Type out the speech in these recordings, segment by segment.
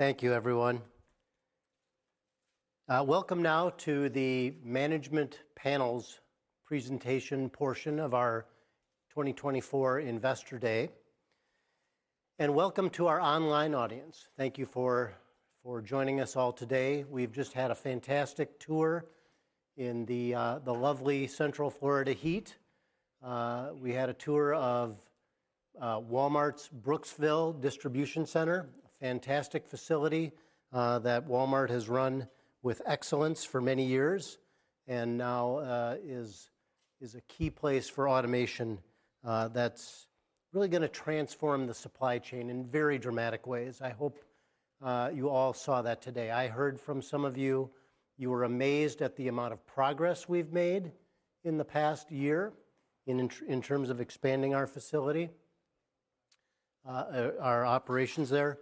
Thank you, everyone. Welcome now to the management panel's presentation portion of our 2024 Investor Day. Welcome to our online audience. Thank you for joining us all today. We've just had a fantastic tour in the lovely Central Florida heat. We had a tour of Walmart's Brooksville Distribution Center, a fantastic facility that Walmart has run with excellence for many years, and now is a key place for automation that's really gonna transform the supply chain in very dramatic ways. I hope you all saw that today. I heard from some of you you were amazed at the amount of progress we've made in the past year in terms of expanding our facility, our operations there.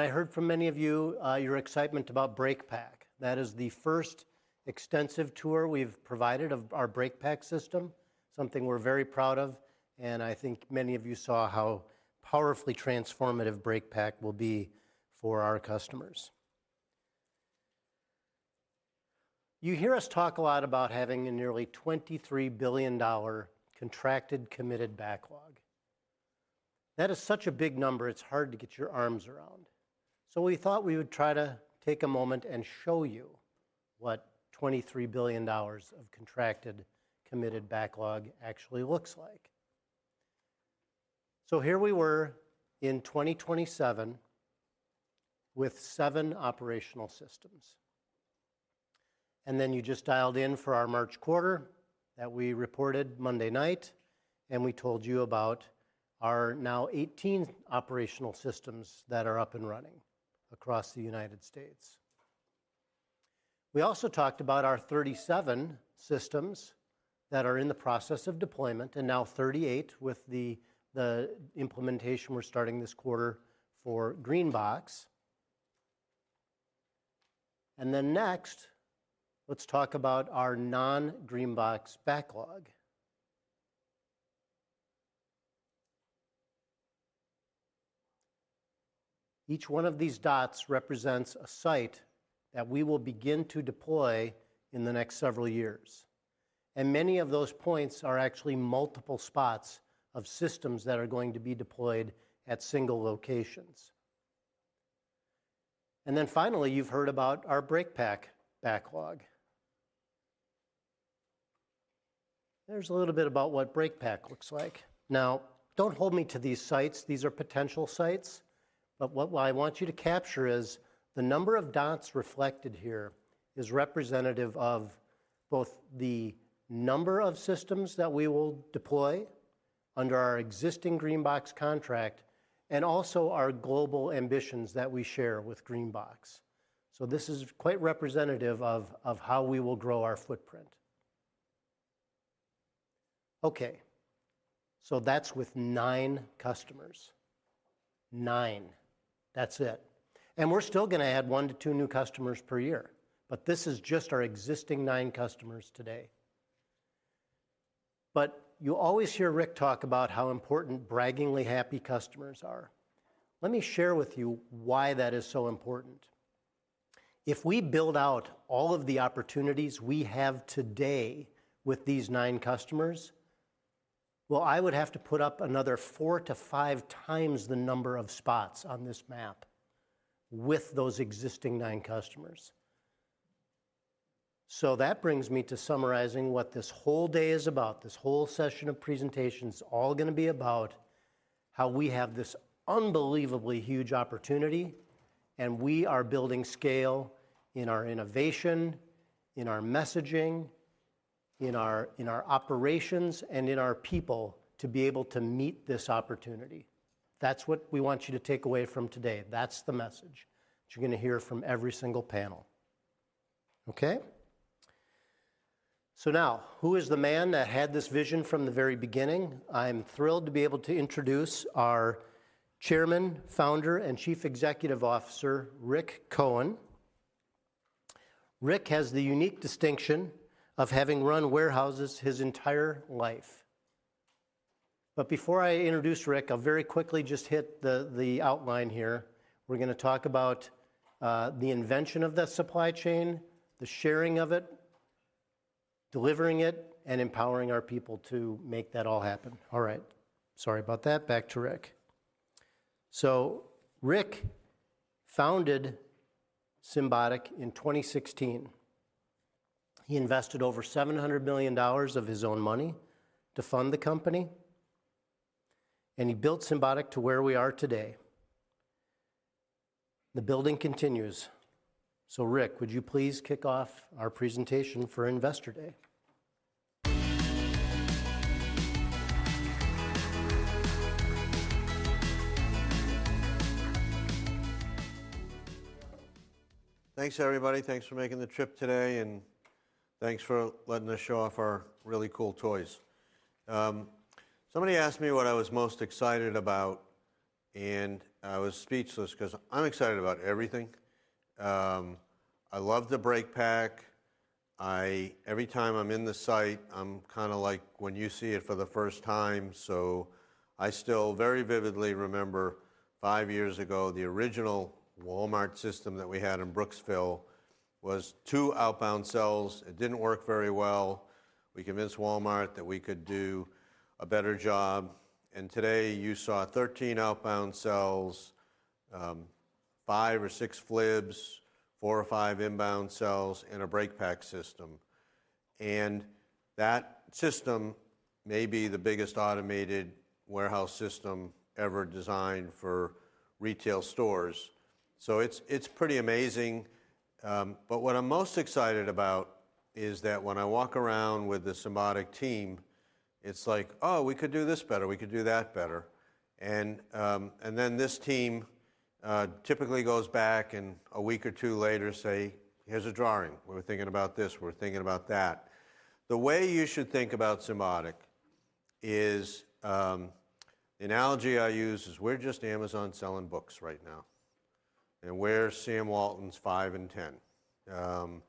I heard from many of you, your excitement about BreakPack. That is the first extensive tour we've provided of our BreakPack system, something we're very proud of, and I think many of you saw how powerfully transformative BreakPack will be for our customers. You hear us talk a lot about having a nearly $23 billion contracted committed backlog. That is such a big number it's hard to get your arms around. So we thought we would try to take a moment and show you what $23 billion of contracted committed backlog actually looks like. So here we were in 2027 with seven operational systems. And then you just dialed in for our March quarter that we reported Monday night, and we told you about our now 18 operational systems that are up and running across the United States. We also talked about our 37 systems that are in the process of deployment and now 38 with the implementation we're starting this quarter for GreenBox. Next, let's talk about our non-GreenBox backlog. Each one of these dots represents a site that we will begin to deploy in the next several years. Many of those points are actually multiple spots of systems that are going to be deployed at single locations. Finally, you've heard about our BreakPack backlog. There's a little bit about what BreakPack looks like. Now, don't hold me to these sites. These are potential sites. But what I want you to capture is the number of dots reflected here is representative of both the number of systems that we will deploy under our existing GreenBox contract and also our global ambitions that we share with GreenBox. So this is quite representative of how we will grow our footprint. Okay. So that's with nine customers. Nine. That's it. And we're still gonna add one to two new customers per year. But this is just our existing nine customers today. But you always hear Rick talk about how important braggingly happy customers are. Let me share with you why that is so important. If we build out all of the opportunities we have today with these nine customers, well, I would have to put up another four to five times the number of spots on this map with those existing nine customers. So that brings me to summarizing what this whole day is about. This whole session of presentation's all gonna be about how we have this unbelievably huge opportunity, and we are building scale in our innovation, in our messaging, in our operations, and in our people to be able to meet this opportunity. That's what we want you to take away from today. That's the message that you're gonna hear from every single panel. Okay? So now, who is the man that had this vision from the very beginning? I'm thrilled to be able to introduce our Chairman, Founder, and Chief Executive Officer, Rick Cohen. Rick has the unique distinction of having run warehouses his entire life. But before I introduce Rick, I'll very quickly just hit the outline here. We're gonna talk about the invention of the supply chain, the sharing of it, delivering it, and empowering our people to make that all happen. All right. Sorry about that. Back to Rick. So Rick founded Symbotic in 2016. He invested over $700 million of his own money to fund the company, and he built Symbotic to where we are today. The building continues. So Rick, would you please kick off our presentation for Investor Day? Thanks, everybody. Thanks for making the trip today, and thanks for letting us show off our really cool toys. Somebody asked me what I was most excited about, and I was speechless 'cause I'm excited about everything. I love the BreakPack. I every time I'm in the site, I'm kinda like when you see it for the first time. So I still very vividly remember five years ago, the original Walmart system that we had in Brooksville was two outbound cells. It didn't work very well. We convinced Walmart that we could do a better job. Today, you saw 13 outbound cells, five or six FLIBS, four or five inbound cells in a BreakPack system. That system may be the biggest automated warehouse system ever designed for retail stores. So it's, it's pretty amazing. But what I'm most excited about is that when I walk around with the Symbotic team, it's like, "Oh, we could do this better. We could do that better." And then this team typically goes back and a week or two later say, "Here's a drawing. We were thinking about this. We were thinking about that." The way you should think about Symbotic is, the analogy I use is we're just Amazon selling books right now, and we're Sam Walton's 5 and 10.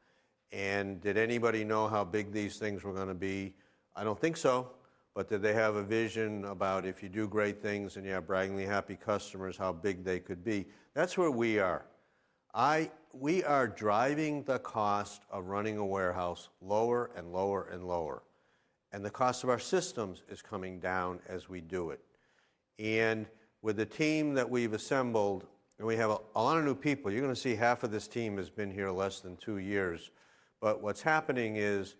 And did anybody know how big these things were gonna be? I don't think so. But did they have a vision about if you do great things and you have braggingly happy customers, how big they could be? That's where we are. We are driving the cost of running a warehouse lower and lower and lower. The cost of our systems is coming down as we do it. With the team that we've assembled, we have a lot of new people. You're gonna see half of this team has been here less than two years. But what's happening is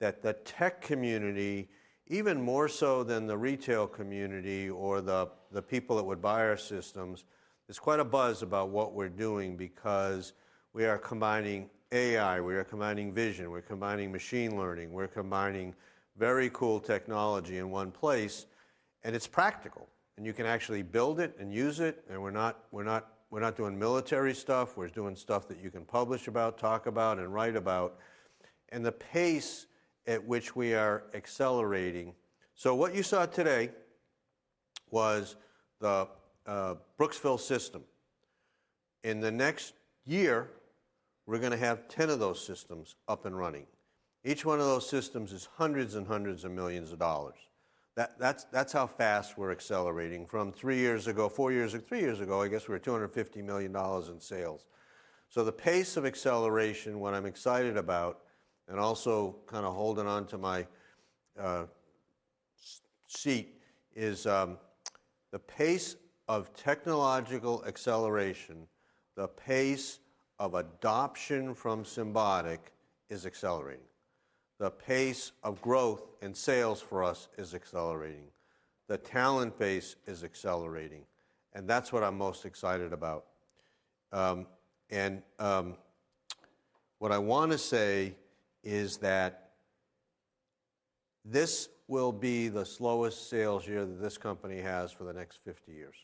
that the tech community, even more so than the retail community or the people that would buy our systems, there's quite a buzz about what we're doing because we are combining AI, we are combining vision, we're combining machine learning, we're combining very cool technology in one place, and it's practical. You can actually build it and use it, and we're not doing military stuff. We're doing stuff that you can publish about, talk about, and write about. The pace at which we are accelerating, so what you saw today was the Brooksville system. In the next year, we're gonna have 10 of those systems up and running. Each one of those systems is hundreds and hundreds of millions of dollars. That's how fast we're accelerating. From three years ago, four years ago, three years ago, I guess we were $250 million in sales. So the pace of acceleration, what I'm excited about, and also kinda holding onto my seat is, the pace of technological acceleration, the pace of adoption from Symbotic is accelerating. The pace of growth and sales for us is accelerating. The talent pace is accelerating. And that's what I'm most excited about. What I wanna say is that this will be the slowest sales year that this company has for the next 50 years.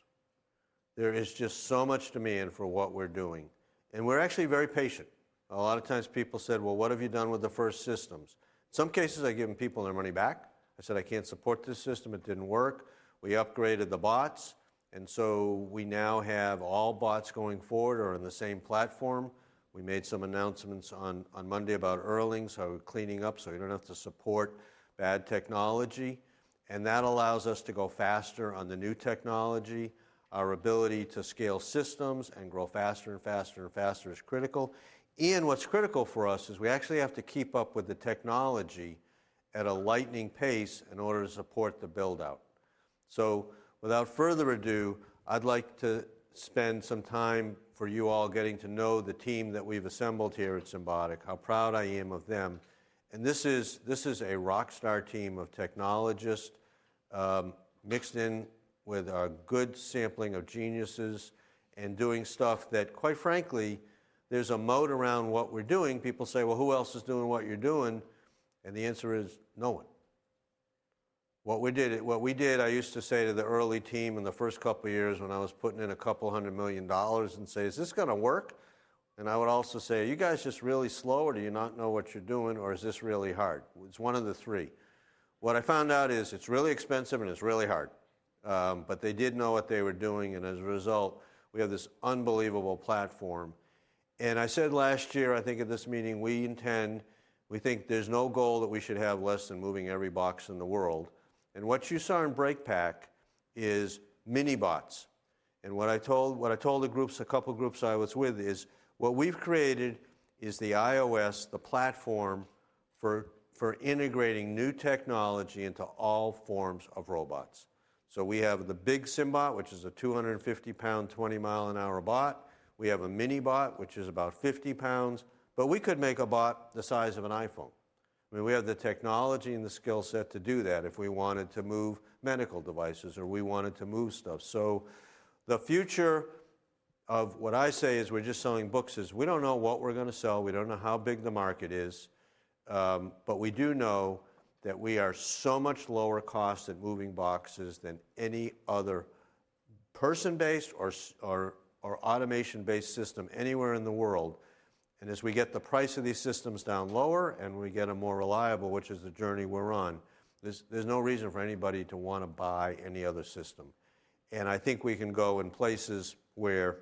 There is just so much demand for what we're doing. And we're actually very patient. A lot of times, people said, "Well, what have you done with the first systems?" In some cases, I've given people their money back. I said, "I can't support this system. It didn't work. We upgraded the bots." And so we now have all bots going forward are on the same platform. We made some announcements on Monday about earnings, how we're cleaning up so you don't have to support bad technology. And that allows us to go faster on the new technology. Our ability to scale systems and grow faster and faster and faster is critical. And what's critical for us is we actually have to keep up with the technology at a lightning pace in order to support the build-out. So without further ado, I'd like to spend some time for you all getting to know the team that we've assembled here at Symbotic, how proud I am of them. And this is a rockstar team of technologists, mixed in with a good sampling of geniuses and doing stuff that, quite frankly, there's a moat around what we're doing. People say, "Well, who else is doing what you're doing?" And the answer is, "No one." What we did, I used to say to the early team in the first couple of years when I was putting in a couple hundred million dollars and say, "Is this gonna work?" And I would also say, "Are you guys just really slow or do you not know what you're doing or is this really hard?" It's one of the three. What I found out is it's really expensive and it's really hard. But they did know what they were doing, and as a result, we have this unbelievable platform. And I said last year, I think at this meeting, we think there's no goal that we should have less than moving every box in the world. And what you saw in BreakPack is mini bots. And what I told the groups, a couple groups I was with, is what we've created is the iOS, the platform for integrating new technology into all forms of robots. So we have the big SymBot, which is a 250 lbs, 20-mile-an-hour bot. We have a mini bot, which is about 50 lbs. But we could make a bot the size of an iPhone. I mean, we have the technology and the skill set to do that if we wanted to move medical devices or we wanted to move stuff. So the future of what I say is we're just selling books. We don't know what we're gonna sell. We don't know how big the market is. But we do know that we are so much lower cost at moving boxes than any other person-based or, or, or automation-based system anywhere in the world. And as we get the price of these systems down lower and we get them more reliable, which is the journey we're on, there's no reason for anybody to wanna buy any other system. And I think we can go in places where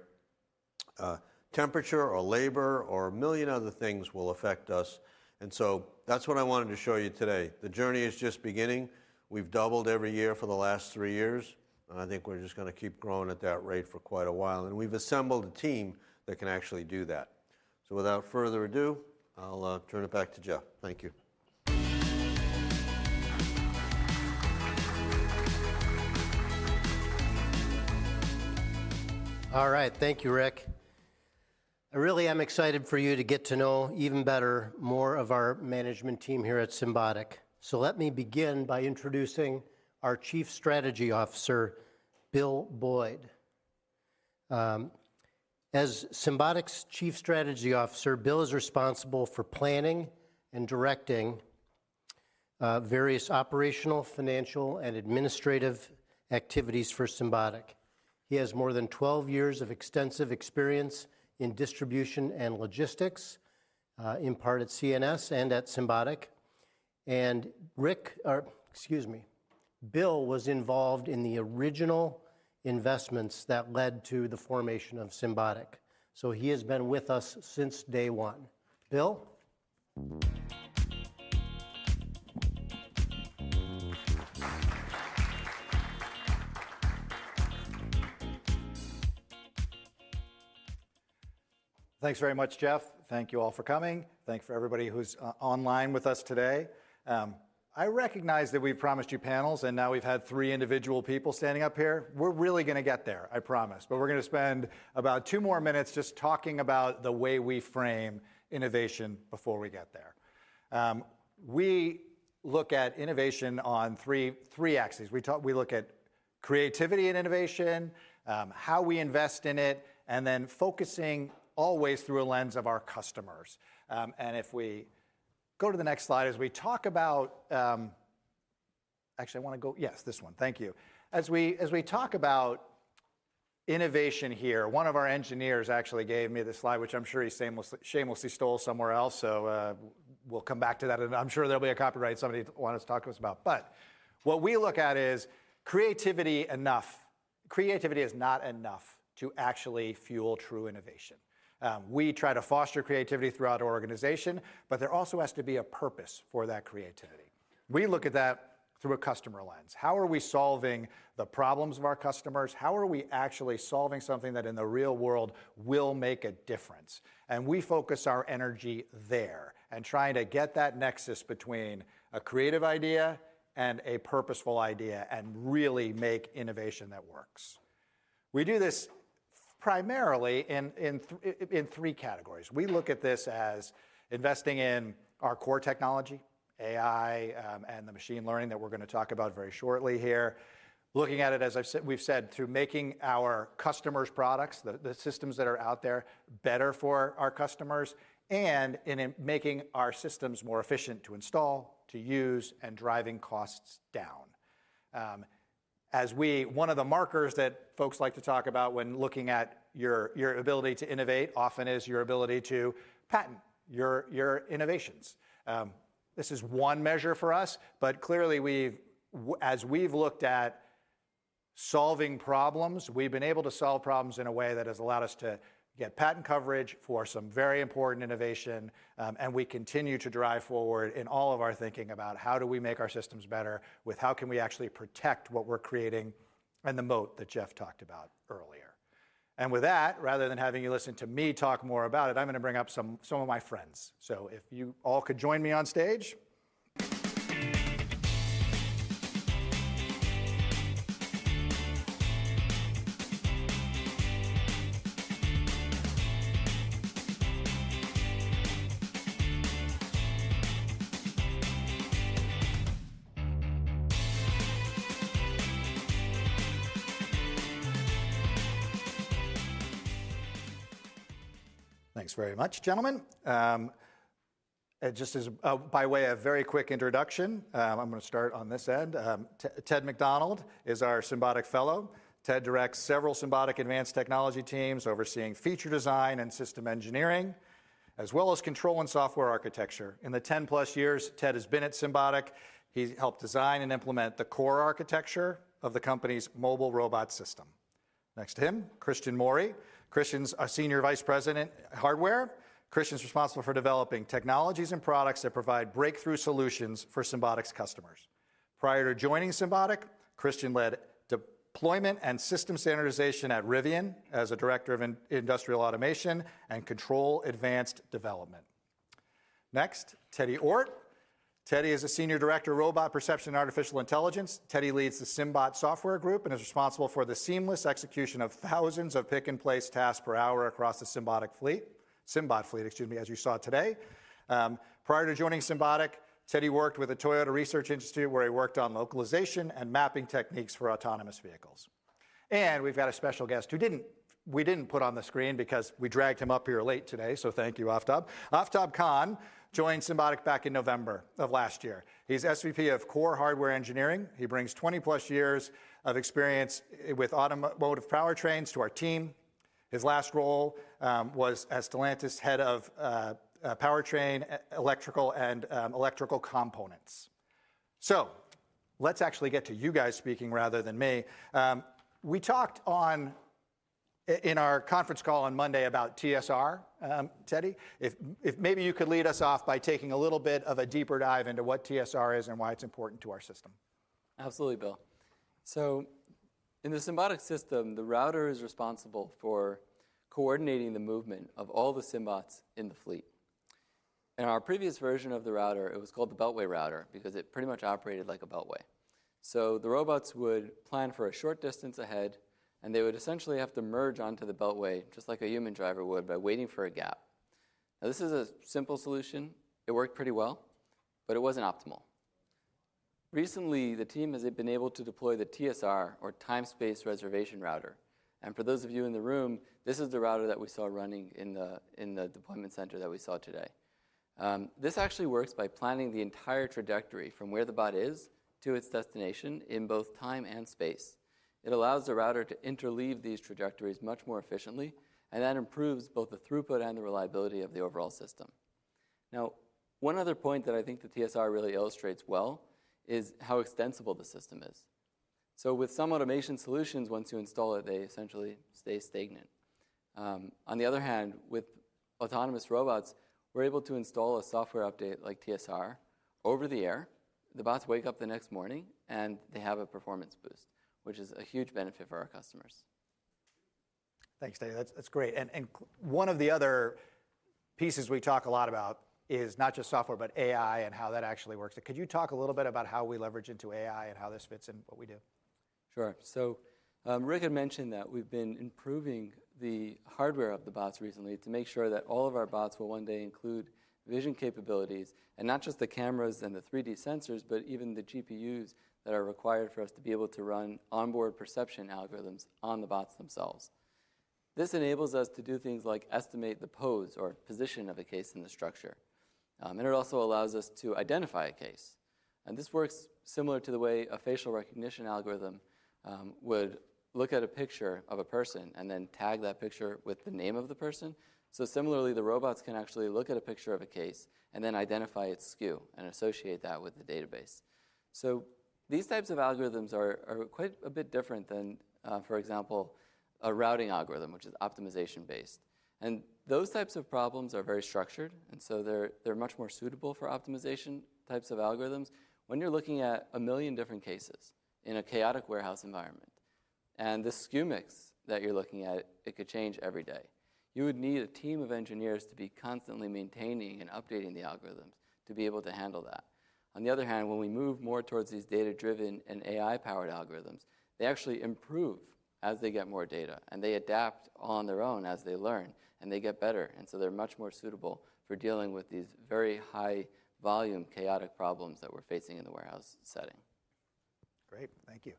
temperature or labor or a million other things will affect us. And so that's what I wanted to show you today. The journey is just beginning. We've doubled every year for the last three years, and I think we're just gonna keep growing at that rate for quite a while. And we've assembled a team that can actually do that. So without further ado, I'll turn it back to Jeff. Thank you. All right. Thank you, Rick. I really am excited for you to get to know even better more of our management team here at Symbotic. So let me begin by introducing our Chief Strategy Officer, Bill Boyd, as Symbotic's Chief Strategy Officer, Bill is responsible for planning and directing various operational, financial, and administrative activities for Symbotic. He has more than 12 years of extensive experience in distribution and logistics, in part at C&S and at Symbotic. And Rick or excuse me, Bill was involved in the original investments that led to the formation of Symbotic. So he has been with us since day one. Bill? Thanks very much, Jeff. Thank you all for coming. Thanks for everybody who's online with us today. I recognize that we've promised you panels, and now we've had three individual people standing up here. We're really gonna get there, I promise. But we're gonna spend about two more minutes just talking about the way we frame innovation before we get there. We look at innovation on three axes. We look at creativity and innovation, how we invest in it, and then focusing always through a lens of our customers. If we go to the next slide, as we talk about, actually, I wanna go. Yes, this one. Thank you. As we talk about innovation here, one of our engineers actually gave me this slide, which I'm sure he shamelessly stole somewhere else. So, we'll come back to that, and I'm sure there'll be a copyright somebody wants to talk to us about. But what we look at is creativity. Enough creativity is not enough to actually fuel true innovation. We try to foster creativity throughout our organization, but there also has to be a purpose for that creativity. We look at that through a customer lens. How are we solving the problems of our customers? How are we actually solving something that in the real world will make a difference? And we focus our energy there and trying to get that nexus between a creative idea and a purposeful idea and really make innovation that works. We do this primarily in three categories. We look at this as investing in our core technology, AI, and the machine learning that we're gonna talk about very shortly here, looking at it, as I've said we've said, through making our customers' products, the systems that are out there, better for our customers and in making our systems more efficient to install, to use, and driving costs down. As one of the markers that folks like to talk about when looking at your, your ability to innovate often is your ability to patent your, your innovations. This is one measure for us. But clearly, as we've looked at solving problems, we've been able to solve problems in a way that has allowed us to get patent coverage for some very important innovation. We continue to drive forward in all of our thinking about how do we make our systems better with how can we actually protect what we're creating and the moat that Jeff talked about earlier. And with that, rather than having you listen to me talk more about it, I'm gonna bring up some of my friends. So if you all could join me on stage. Thanks very much, gentlemen. Just as a by way of very quick introduction, I'm gonna start on this end. Ted Macdonald is our Symbotic Fellow. Ted directs several Symbotic advanced technology teams overseeing feature design and system engineering, as well as control and software architecture. In the 10+ years Ted has been at Symbotic, he's helped design and implement the core architecture of the company's mobile robot system. Next to him, Cristian Mori. Christian's a Senior Vice President Hardware. Cristian's responsible for developing technologies and products that provide breakthrough solutions for Symbotic's customers. Prior to joining Symbotic, Cristian led deployment and system standardization at Rivian as a Director of Industrial Automation and Control Advanced Development. Next, Teddy Ort. Teddy is a Senior Director of Robot Perception and Artificial Intelligence. Teddy leads the SymBot software group and is responsible for the seamless execution of thousands of pick-and-place tasks per hour across the Symbotic fleet SymBot fleet, excuse me, as you saw today. Prior to joining Symbotic, Teddy worked with the Toyota Research Institute where he worked on localization and mapping techniques for autonomous vehicles. We've got a special guest who didn't put on the screen because we dragged him up here late today. So thank you, Aftab. Aftab Khan joined Symbotic back in November of last year. He's SVP of Core Hardware Engineering. He brings 20+ years of experience with automotive powertrains to our team. His last role was at Stellantis Head of Powertrain Electrical and Electrical Components. So let's actually get to you guys speaking rather than me. We talked on in our conference call on Monday about TSR, Teddy. If maybe you could lead us off by taking a little bit of a deeper dive into what TSR is and why it's important to our system. Absolutely, Bill. So in the Symbotic system, the router is responsible for coordinating the movement of all the SymBots in the fleet. In our previous version of the router, it was called the beltway router because it pretty much operated like a beltway. So the robots would plan for a short distance ahead, and they would essentially have to merge onto the beltway just like a human driver would by waiting for a gap. Now, this is a simple solution. It worked pretty well, but it wasn't optimal. Recently, the team has been able to deploy the TSR, or Time-Space Reservation Router. And for those of you in the room, this is the router that we saw running in the deployment center that we saw today. This actually works by planning the entire trajectory from where the bot is to its destination in both time and space. It allows the router to interleave these trajectories much more efficiently and that improves both the throughput and the reliability of the overall system. Now, one other point that I think the TSR really illustrates well is how extensible the system is. So with some automation solutions, once you install it, they essentially stay stagnant. On the other hand, with autonomous robots, we're able to install a software update like TSR over the air. The bots wake up the next morning, and they have a performance boost, which is a huge benefit for our customers. Thanks, Teddy. That's great. And one of the other pieces we talk a lot about is not just software but AI and how that actually works. Could you talk a little bit about how we leverage into AI and how this fits in what we do? Sure. So, Rick had mentioned that we've been improving the hardware of the bots recently to make sure that all of our bots will one day include vision capabilities and not just the cameras and the 3D sensors but even the GPUs that are required for us to be able to run onboard perception algorithms on the bots themselves. This enables us to do things like estimate the pose or position of a case in the structure. And it also allows us to identify a case. And this works similar to the way a facial recognition algorithm would look at a picture of a person and then tag that picture with the name of the person. So similarly, the robots can actually look at a picture of a case and then identify its SKU and associate that with the database. So these types of algorithms are quite a bit different than, for example, a routing algorithm, which is optimization-based. Those types of problems are very structured, and so they're much more suitable for optimization types of algorithms when you're looking at a million different cases in a chaotic warehouse environment. The SKU mix that you're looking at, it could change every day. You would need a team of engineers to be constantly maintaining and updating the algorithms to be able to handle that. On the other hand, when we move more towards these data-driven and AI-powered algorithms, they actually improve as they get more data, and they adapt on their own as they learn, and they get better. So they're much more suitable for dealing with these very high-volume chaotic problems that we're facing in the warehouse setting. Great. Thank you.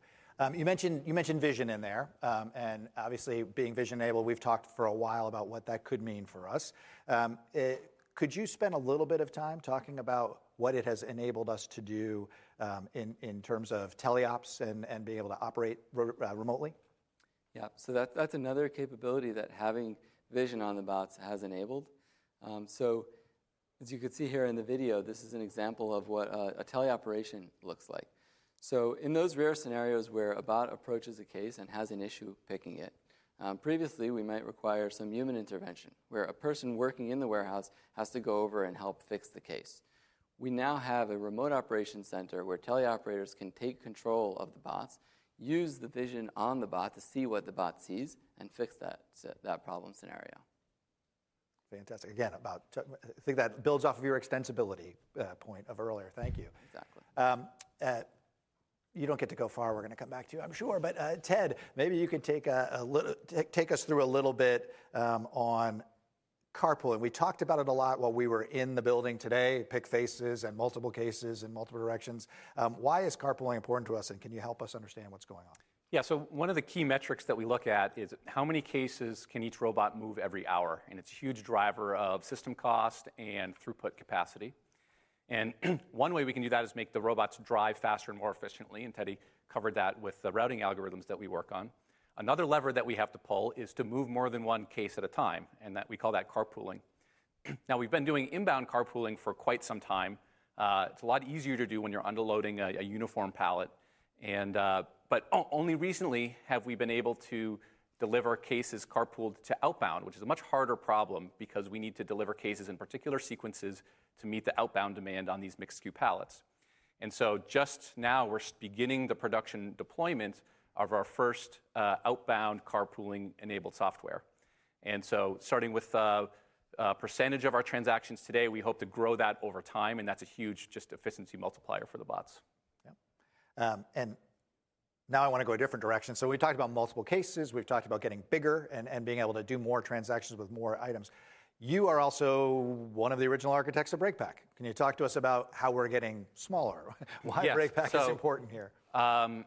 You mentioned you mentioned vision in there. And obviously, being vision-enabled, we've talked for a while about what that could mean for us. Could you spend a little bit of time talking about what it has enabled us to do, in terms of teleops and being able to operate remotely? Yeah. So that's another capability that having vision on the bots has enabled. So as you could see here in the video, this is an example of what a teleoperation looks like. So in those rare scenarios where a bot approaches a case and has an issue picking it, previously, we might require some human intervention where a person working in the warehouse has to go over and help fix the case. We now have a remote operations center where teleoperators can take control of the bots, use the vision on the bot to see what the bot sees, and fix that problem scenario. Fantastic. Again, about that. I think that builds off of your extensibility point from earlier. Thank you. Exactly. You don't get to go far. We're gonna come back to you, I'm sure. But, Ted, maybe you could take us through a little bit on carpooling. We talked about it a lot while we were in the building today, pick faces and multiple cases in multiple directions. Why is carpooling important to us, and can you help us understand what's going on? Yeah. So one of the key metrics that we look at is how many cases can each robot move every hour. And it's a huge driver of system cost and throughput capacity. And one way we can do that is make the robots drive faster and more efficiently. And Teddy covered that with the routing algorithms that we work on. Another lever that we have to pull is to move more than one case at a time, and that we call that carpooling. Now, we've been doing inbound carpooling for quite some time. It's a lot easier to do when you're underloading a uniform pallet. But only recently have we been able to deliver cases carpooled to outbound, which is a much harder problem because we need to deliver cases in particular sequences to meet the outbound demand on these mixed SKU pallets. Just now, we're beginning the production deployment of our first outbound carpooling-enabled software. Starting with percentage of our transactions today, we hope to grow that over time. And that's a huge just efficiency multiplier for the bots. Yeah. And now I wanna go a different direction. So we talked about multiple cases. We've talked about getting bigger and, and being able to do more transactions with more items. You are also one of the original architects of BreakPack. Can you talk to us about how we're getting smaller? Why BreakPack is important here? So,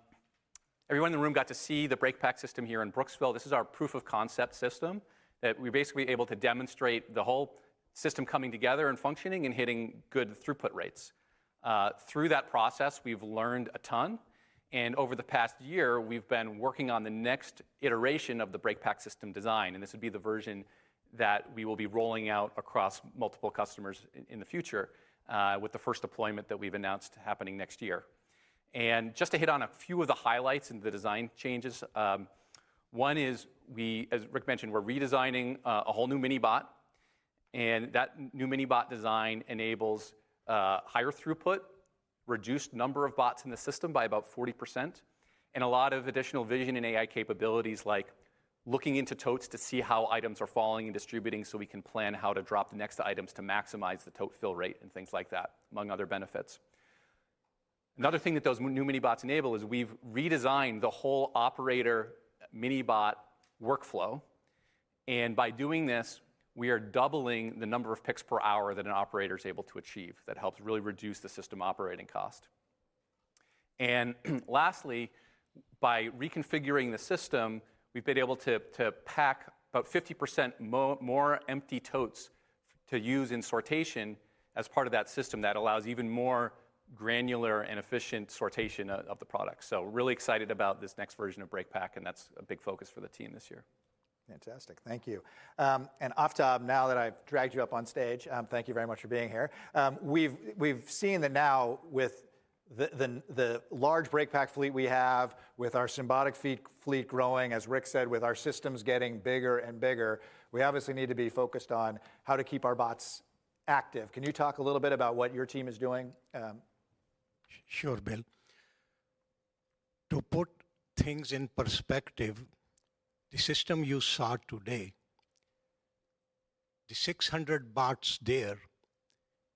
everyone in the room got to see the BreakPack system here in Brooksville. This is our proof-of-concept system that we're basically able to demonstrate the whole system coming together and functioning and hitting good throughput rates. Through that process, we've learned a ton. And over the past year, we've been working on the next iteration of the BreakPack system design. And this would be the version that we will be rolling out across multiple customers in, in the future, with the first deployment that we've announced happening next year. And just to hit on a few of the highlights in the design changes, one is we as Rick mentioned, we're redesigning, a whole new mini-bot. And that new minibot design enables higher throughput, reduced number of bots in the system by about 40%, and a lot of additional vision and AI capabilities like looking into totes to see how items are falling and distributing so we can plan how to drop the next items to maximize the tote fill rate and things like that, among other benefits. Another thing that those new minibots enable is we've redesigned the whole operator minibot workflow. And by doing this, we are doubling the number of picks per hour that an operator is able to achieve. That helps really reduce the system operating cost. And lastly, by reconfiguring the system, we've been able to pack about 50% more empty totes to use in sortation as part of that system that allows even more granular and efficient sortation of the products. Really excited about this next version of BreakPack, and that's a big focus for the team this year. Fantastic. Thank you. And Aftab, now that I've dragged you up on stage, thank you very much for being here. We've seen that now with the large BreakPack fleet we have, with our Symbotic fleet growing, as Rick said, with our systems getting bigger and bigger, we obviously need to be focused on how to keep our bots active. Can you talk a little bit about what your team is doing? Sure, Bill. To put things in perspective, the system you saw today, the 600 bots there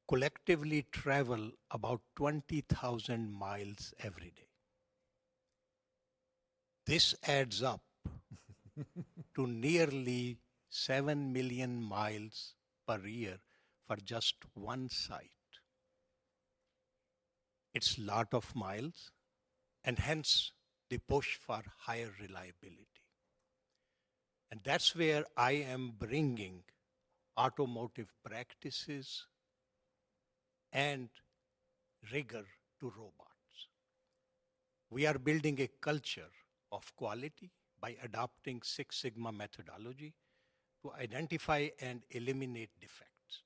collectively travel about 20,000 mi every day. This adds up to nearly seven million miles per year for just one site. It's a lot of miles, and hence the push for higher reliability. That's where I am bringing automotive practices and rigor to robots. We are building a culture of quality by adopting Six Sigma methodology to identify and eliminate defects.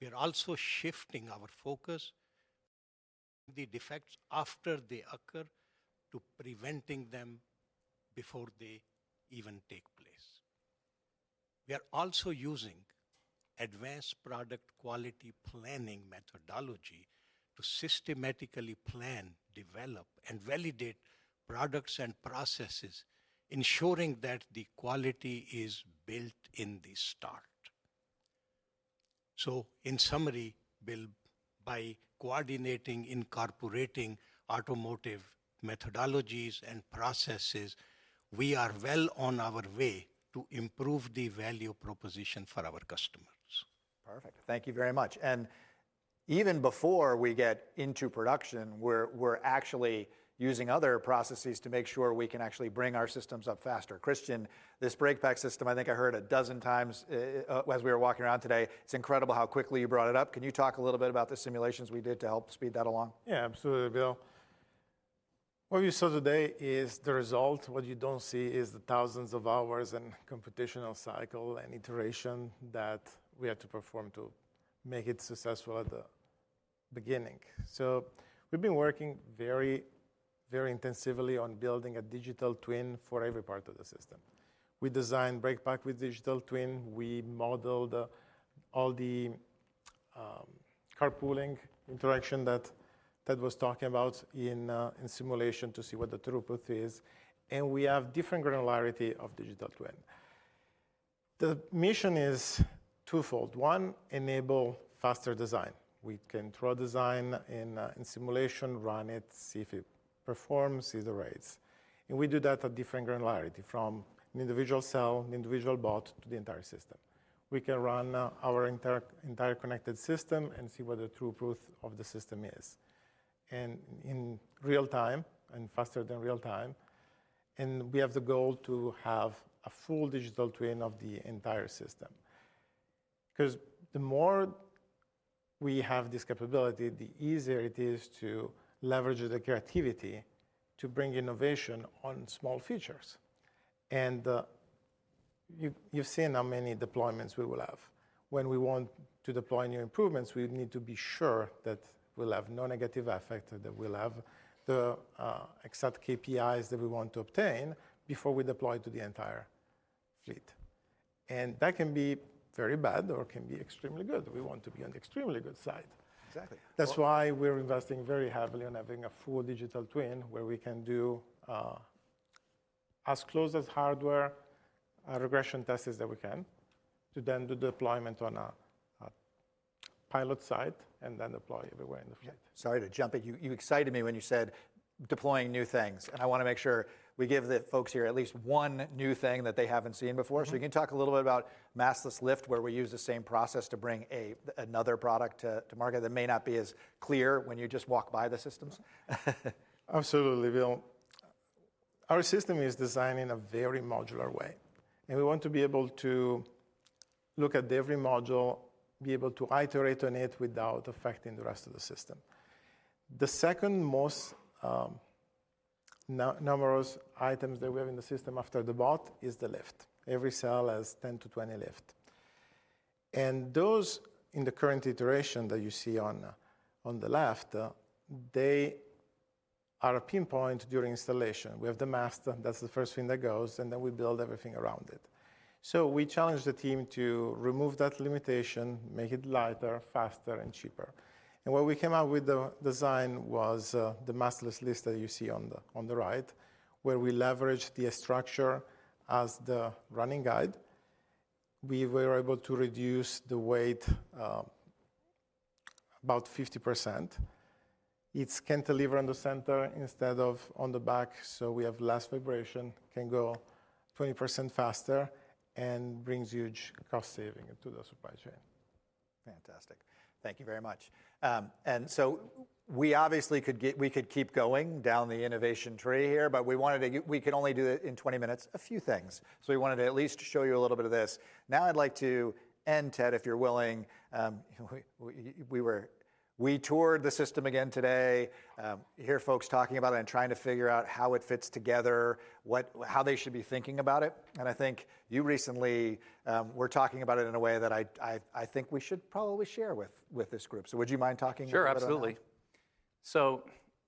We are also shifting our focus from the defects after they occur to preventing them before they even take place. We are also using Advanced Product Quality Planning methodology to systematically plan, develop, and validate products and processes, ensuring that the quality is built in the start. In summary, Bill, by coordinating, incorporating automotive methodologies and processes, we are well on our way to improve the value proposition for our customers. Perfect. Thank you very much. Even before we get into production, we're actually using other processes to make sure we can actually bring our systems up faster. Cristian, this BreakPack system, I think I heard a dozen times, as we were walking around today. It's incredible how quickly you brought it up. Can you talk a little bit about the simulations we did to help speed that along? Yeah. Absolutely, Bill. What we saw today is the result. What you don't see is the thousands of hours and computational cycle and iteration that we had to perform to make it successful at the beginning. We've been working very, very intensively on building a digital twin for every part of the system. We designed BreakPack with digital twin. We modeled all the carpooling interaction that Ted was talking about in simulation to see what the throughput is. We have different granularity of digital twin. The mission is twofold. One, enable faster design. We can throw a design in simulation, run it, see if it performs, see the rates. We do that at different granularity from an individual cell, an individual bot, to the entire system. We can run our entire connected system and see what the throughput of the system is and in real time and faster than real time. And we have the goal to have a full digital twin of the entire system. 'Cause the more we have this capability, the easier it is to leverage the creativity to bring innovation on small features. And, you've seen how many deployments we will have. When we want to deploy new improvements, we need to be sure that we'll have no negative effect, that we'll have the exact KPIs that we want to obtain before we deploy to the entire fleet. And that can be very bad or can be extremely good. We want to be on the extremely good side. Exactly. That's why we're investing very heavily on having a full digital twin where we can do, as close as hardware, regression tests as we can to then do deployment on a pilot site and then deploy everywhere in the fleet. Yeah. Sorry to jump in. You excited me when you said deploying new things. I wanna make sure we give the folks here at least one new thing that they haven't seen before. You can talk a little bit about mastless lift where we use the same process to bring another product to market that may not be as clear when you just walk by the systems? Absolutely, Bill. Our system is designed in a very modular way. And we want to be able to look at every module, be able to iterate on it without affecting the rest of the system. The second most numerous items that we have in the system after the bot is the lift. Every cell has 10-20 lifts. And those in the current iteration that you see on, on the left, they are a pain point during installation. We have the mast. That's the first thing that goes. And then we build everything around it. So we challenged the team to remove that limitation, make it lighter, faster, and cheaper. And what we came out with the design was, the mastless lift that you see on the right where we leveraged the structure as the running guide. We were able to reduce the weight, about 50%. It can deliver on the center instead of on the back, so we have less vibration, can go 20% faster, and brings huge cost saving to the supply chain. Fantastic. Thank you very much. And so we obviously could get we could keep going down the innovation tree here, but we wanted to go we could only do it in 20 minutes, a few things. So we wanted to at least show you a little bit of this. Now I'd like to end, Ted, if you're willing. You know, we were we toured the system again today, hear folks talking about it and trying to figure out how it fits together, what how they should be thinking about it. And I think you recently were talking about it in a way that I think we should probably share with this group. So would you mind talking about that? Sure. Absolutely. So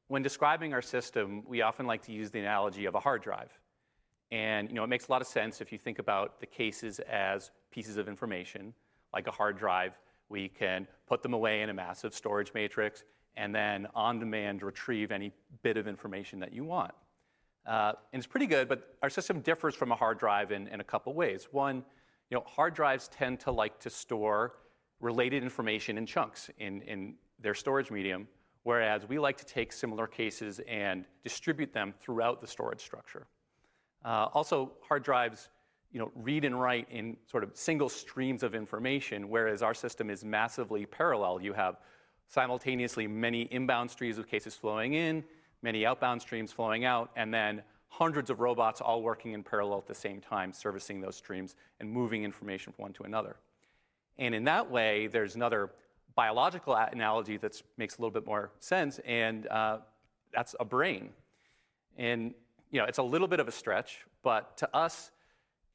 when describing our system, we often like to use the analogy of a hard drive. And, you know, it makes a lot of sense if you think about the cases as pieces of information. Like a hard drive, we can put them away in a massive storage matrix and then on-demand retrieve any bit of information that you want. And it's pretty good, but our system differs from a hard drive in, in a couple ways. One, you know, hard drives tend to like to store related information in chunks in, in their storage medium, whereas we like to take similar cases and distribute them throughout the storage structure. Also, hard drives, you know, read and write in sort of single streams of information, whereas our system is massively parallel. You have simultaneously many inbound streams of cases flowing in, many outbound streams flowing out, and then hundreds of robots all working in parallel at the same time, servicing those streams and moving information from one to another. And in that way, there's another biological analogy that makes a little bit more sense. And, that's a brain. And, you know, it's a little bit of a stretch, but to us,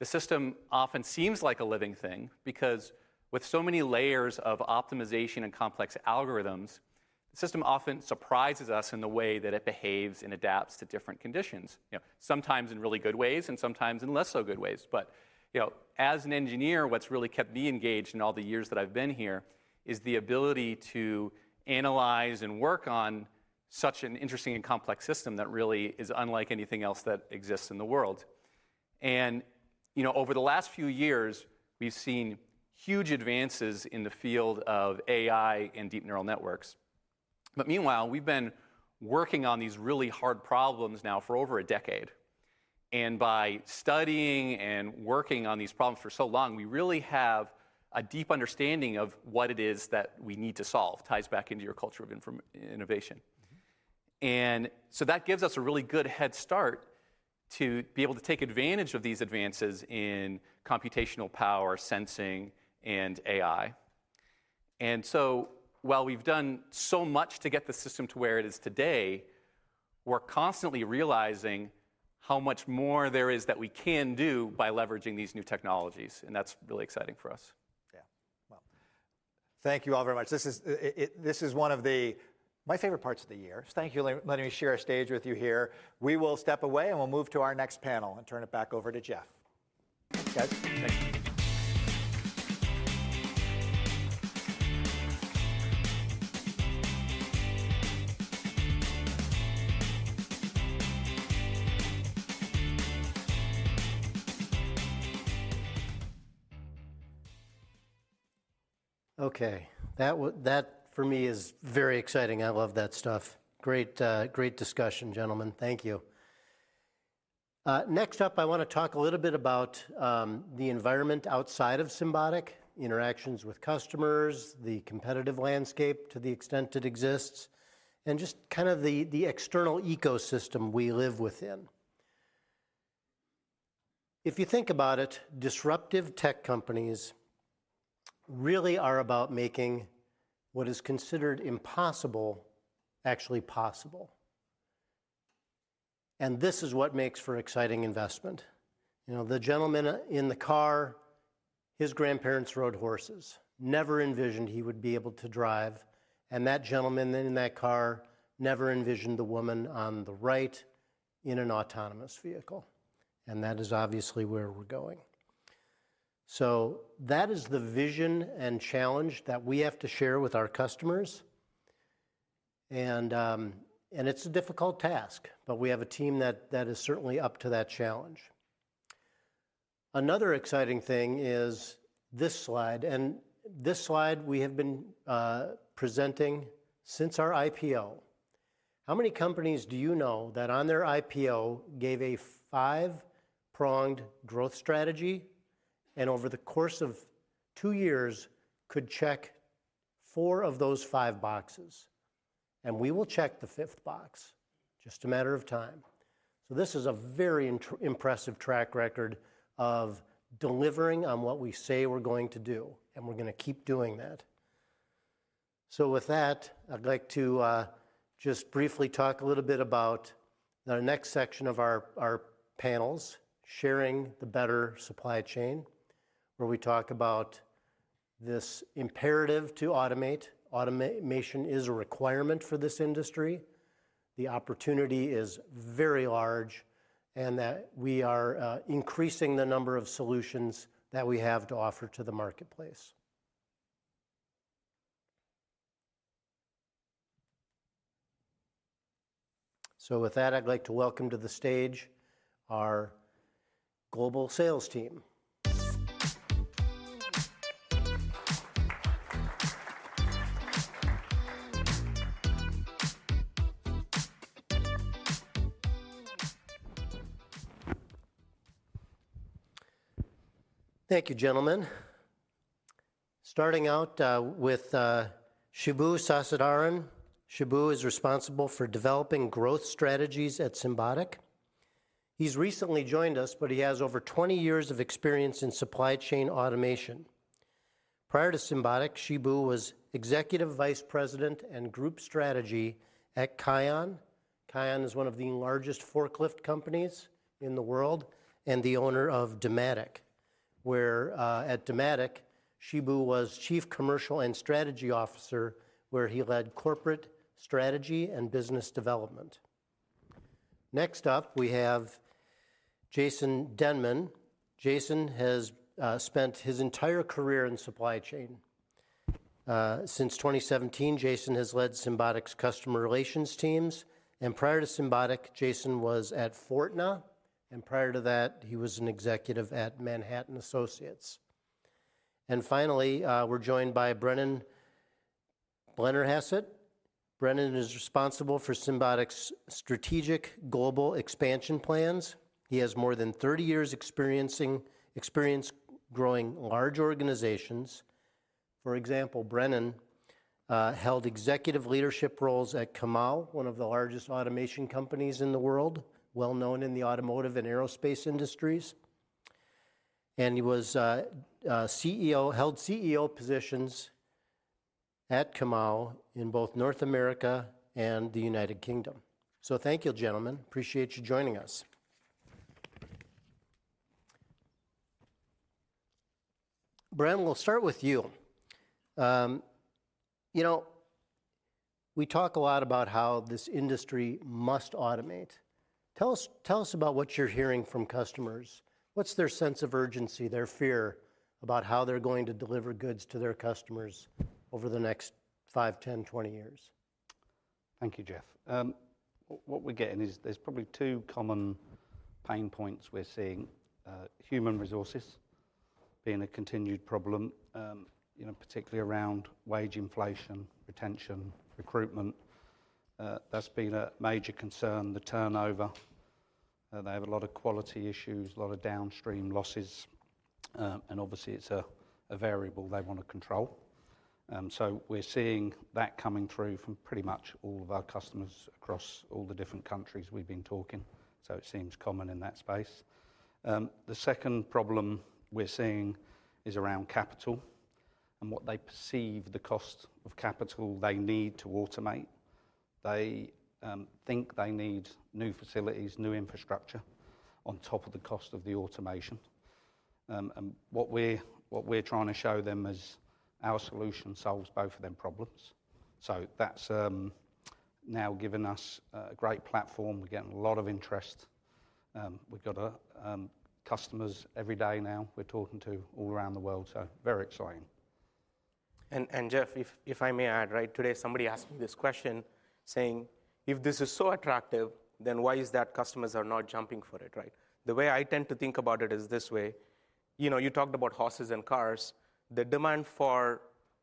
the system often seems like a living thing because with so many layers of optimization and complex algorithms, the system often surprises us in the way that it behaves and adapts to different conditions, you know, sometimes in really good ways and sometimes in less so good ways. But, you know, as an engineer, what's really kept me engaged in all the years that I've been here is the ability to analyze and work on such an interesting and complex system that really is unlike anything else that exists in the world. And, you know, over the last few years, we've seen huge advances in the field of AI and deep neural networks. But meanwhile, we've been working on these really hard problems now for over a decade. And by studying and working on these problems for so long, we really have a deep understanding of what it is that we need to solve. Ties back into your culture of informed innovation. And so that gives us a really good head start to be able to take advantage of these advances in computational power, sensing, and AI. While we've done so much to get the system to where it is today, we're constantly realizing how much more there is that we can do by leveraging these new technologies. That's really exciting for us. Yeah. Well, thank you all very much. This is it this is one of the my favorite parts of the year. Thank you let me share a stage with you here. We will step away, and we'll move to our next panel and turn it back over to Jeff. Okay? Thanks. Okay. That, that for me is very exciting. I love that stuff. Great, great discussion, gentlemen. Thank you. Next up, I wanna talk a little bit about the environment outside of Symbotic, interactions with customers, the competitive landscape to the extent it exists, and just kinda the external ecosystem we live within. If you think about it, disruptive tech companies really are about making what is considered impossible actually possible. And this is what makes for exciting investment. You know, the gentleman in the car, his grandparents rode horses, never envisioned he would be able to drive. And that gentleman in that car never envisioned the woman on the right in an autonomous vehicle. And that is obviously where we're going. So that is the vision and challenge that we have to share with our customers. It's a difficult task, but we have a team that is certainly up to that challenge. Another exciting thing is this slide. This slide we have been presenting since our IPO. How many companies do you know that on their IPO gave a five-pronged growth strategy and over the course of two years could check four of those five boxes? We will check the fifth box, just a matter of time. This is a truly impressive track record of delivering on what we say we're going to do, and we're gonna keep doing that. With that, I'd like to just briefly talk a little bit about the next section of our panels, sharing the better supply chain, where we talk about this imperative to automate. Automation is a requirement for this industry. The opportunity is very large and that we are increasing the number of solutions that we have to offer to the marketplace. So with that, I'd like to welcome to the stage our global sales team. Thank you, gentlemen. Starting out with Shibu Sasidharan. Shibu is responsible for developing growth strategies at Symbotic. He's recently joined us, but he has over 20 years of experience in supply chain automation. Prior to Symbotic, Shibu was Executive Vice President and Group Strategy at KION. KION is one of the largest forklift companies in the world and the owner of Dematic, where at Dematic, Shibu was Chief Commercial and Strategy Officer, where he led corporate strategy and business development. Next up, we have Jason Denmon. Jason has spent his entire career in supply chain since 2017, Jason has led Symbotic's customer relations teams. Prior to Symbotic, Jason was at Fortna. And prior to that, he was an executive at Manhattan Associates. And finally, we're joined by Brendan Blennerhassett. Brendan is responsible for Symbotic's strategic global expansion plans. He has more than 30 years' experience growing large organizations. For example, Brendan held executive leadership roles at Comau, one of the largest automation companies in the world, well-known in the automotive and aerospace industries. And he was CEO, held CEO positions at Comau in both North America and the United Kingdom. So thank you, gentlemen. Appreciate you joining us. Brendan, we'll start with you. You know, we talk a lot about how this industry must automate. Tell us about what you're hearing from customers. What's their sense of urgency, their fear about how they're going to deliver goods to their customers over the next five, 10, 20 years? Thank you, Jeff. What we're getting is there's probably two common pain points we're seeing, human resources being a continued problem, you know, particularly around wage inflation, retention, recruitment. That's been a major concern, the turnover. They have a lot of quality issues, a lot of downstream losses. And obviously, it's a variable they wanna control. So we're seeing that coming through from pretty much all of our customers across all the different countries we've been talking. So it seems common in that space. The second problem we're seeing is around capital and what they perceive the cost of capital they need to automate. They think they need new facilities, new infrastructure on top of the cost of the automation. And what we're trying to show them is our solution solves both of them problems. So that's now given us a great platform. We're getting a lot of interest. We've gotta customers every day now. We're talking to all around the world. So very exciting. Jeff, if I may add, right, today somebody asked me this question saying, "If this is so attractive, then why is that customers are not jumping for it?" Right? The way I tend to think about it is this way. You know, you talked about horses and cars. The demand for,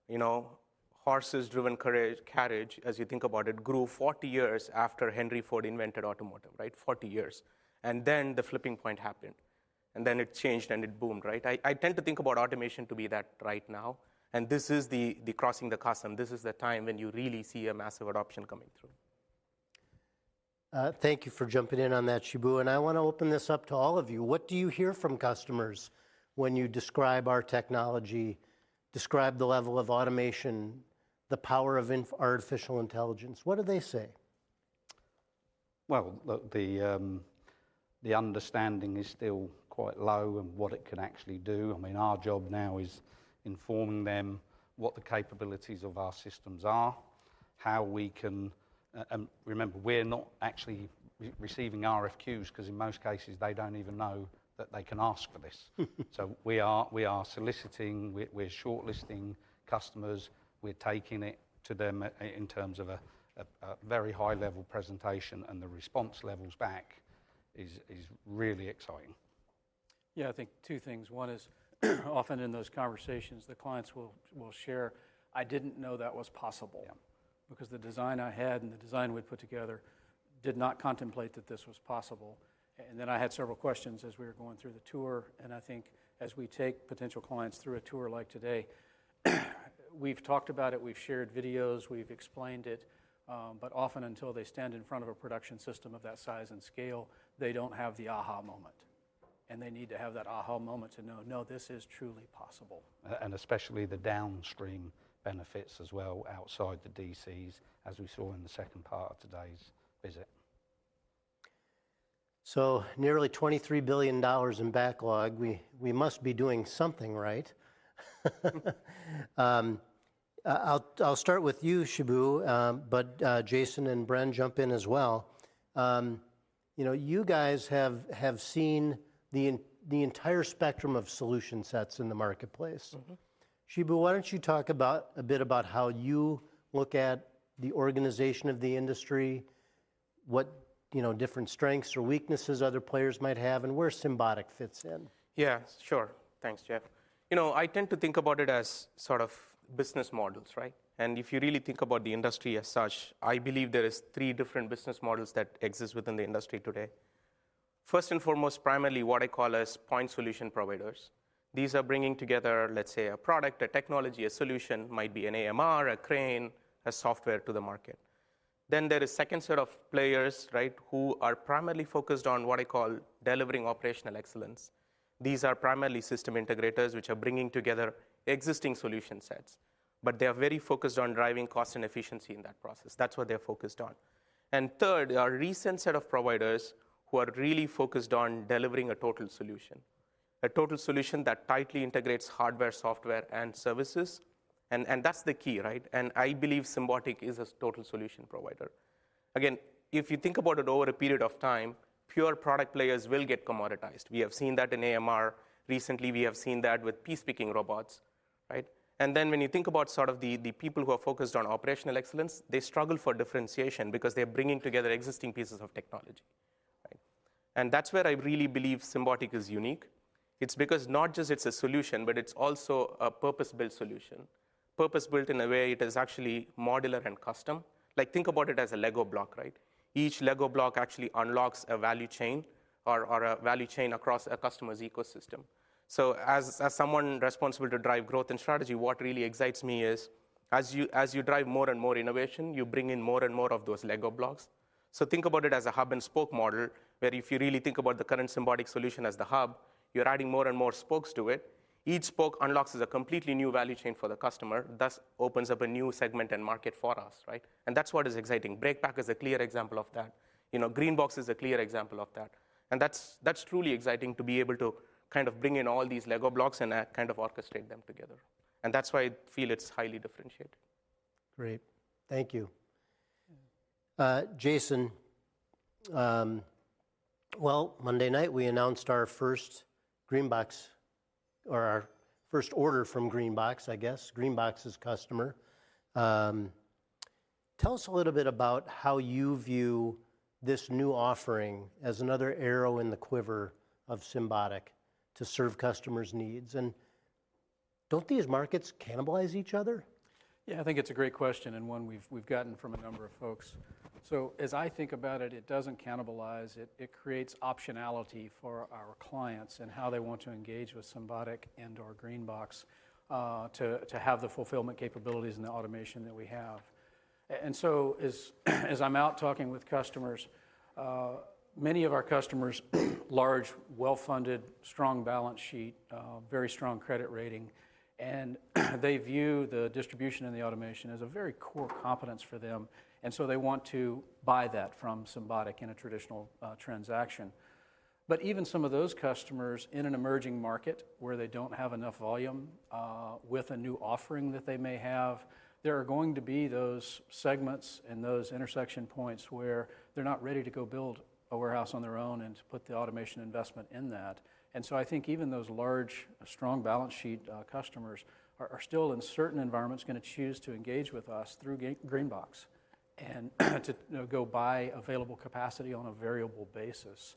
you know, horse-drawn carriage, as you think about it, grew 40 years after Henry Ford invented the automobile, right? 40 years. And then the tipping point happened. And then it changed, and it boomed, right? I tend to think about automation to be that right now. And this is the crossing the chasm. This is the time when you really see a massive adoption coming through. Thank you for jumping in on that, Shibu. I wanna open this up to all of you. What do you hear from customers when you describe our technology, describe the level of automation, the power of our artificial intelligence? What do they say? Well, the understanding is still quite low and what it can actually do. I mean, our job now is informing them what the capabilities of our systems are, how we can and remember, we're not actually receiving RFQs 'cause in most cases, they don't even know that they can ask for this. So we are soliciting. We're shortlisting customers. We're taking it to them in terms of a very high-level presentation. And the response levels back is really exciting. Yeah. I think two things. One is often in those conversations, the clients will share, "I didn't know that was possible. Yeah. Because the design I had and the design we'd put together did not contemplate that this was possible. And then I had several questions as we were going through the tour. And I think as we take potential clients through a tour like today, we've talked about it. We've shared videos. We've explained it. But often until they stand in front of a production system of that size and scale, they don't have the aha moment. And they need to have that aha moment to know, "No, this is truly possible. especially the downstream benefits as well outside the DCs, as we saw in the second part of today's visit. So nearly $23 billion in backlog. We must be doing something right. I'll start with you, Shibu. But Jason and Brendan jump in as well. You know, you guys have seen the entire spectrum of solution sets in the marketplace. Mm-hmm. Shibu, why don't you talk about a bit about how you look at the organization of the industry, what, you know, different strengths or weaknesses other players might have, and where Symbotic fits in? Yeah. Sure. Thanks, Jeff. You know, I tend to think about it as sort of business models, right? And if you really think about the industry as such, I believe there is three different business models that exist within the industry today. First and foremost, primarily, what I call as point solution providers. These are bringing together, let's say, a product, a technology, a solution, might be an AMR, a crane, a software to the market. Then there is a second set of players, right, who are primarily focused on what I call delivering operational excellence. These are primarily system integrators which are bringing together existing solution sets. But they are very focused on driving cost and efficiency in that process. That's what they're focused on. And third, our recent set of providers who are really focused on delivering a total solution, a total solution that tightly integrates hardware, software, and services. And that's the key, right? And I believe Symbotic is a total solution provider. Again, if you think about it over a period of time, pure product players will get commoditized. We have seen that in AMR recently. We have seen that with pick-and-place robots, right? And then when you think about sort of the people who are focused on operational excellence, they struggle for differentiation because they're bringing together existing pieces of technology, right? And that's where I really believe Symbotic is unique. It's because not just it's a solution, but it's also a purpose-built solution, purpose-built in a way it is actually modular and custom. Like, think about it as a Lego block, right? Each Lego block actually unlocks a value chain or a value chain across a customer's ecosystem. So as someone responsible to drive growth and strategy, what really excites me is as you drive more and more innovation, you bring in more and more of those Lego blocks. So think about it as a hub-and-spoke model where if you really think about the current Symbotic solution as the hub, you're adding more and more spokes to it. Each spoke unlocks a completely new value chain for the customer. Thus opens up a new segment and market for us, right? And that's what is exciting. BreakPack is a clear example of that. You know, GreenBox is a clear example of that. And that's truly exciting to be able to kind of bring in all these Lego blocks and a kind of orchestrate them together. That's why I feel it's highly differentiated. Great. Thank you. Jason, well, Monday night, we announced our first GreenBox or our first order from GreenBox, I guess, GreenBox's customer. Tell us a little bit about how you view this new offering as another arrow in the quiver of Symbotic to serve customers' needs. And don't these markets cannibalize each other? Yeah. I think it's a great question and one we've gotten from a number of folks. So as I think about it, it doesn't cannibalize. It creates optionality for our clients and how they want to engage with Symbotic and/or GreenBox, to have the fulfillment capabilities and the automation that we have. And so as I'm out talking with customers, many of our customers, large, well-funded, strong balance sheet, very strong credit rating. And they view the distribution and the automation as a very core competence for them. And so they want to buy that from Symbotic in a traditional transaction. But even some of those customers in an emerging market where they don't have enough volume, with a new offering that they may have, there are going to be those segments and those intersection points where they're not ready to go build a warehouse on their own and to put the automation investment in that. And so I think even those large, strong balance sheet, customers are, are still in certain environments gonna choose to engage with us through GreenBox and to, you know, go buy available capacity on a variable basis.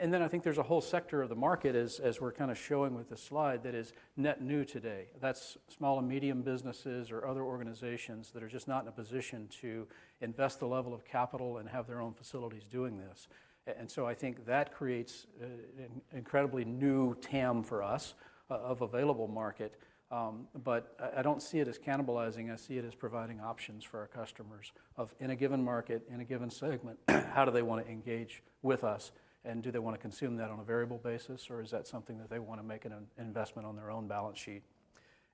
And then I think there's a whole sector of the market as, as we're kinda showing with this slide that is net new today. That's small and medium businesses or other organizations that are just not in a position to invest the level of capital and have their own facilities doing this. And so I think that creates an incredibly new TAM for us of available market. But I don't see it as cannibalizing. I see it as providing options for our customers of in a given market, in a given segment, how do they wanna engage with us? And do they wanna consume that on a variable basis? Or is that something that they wanna make an investment on their own balance sheet?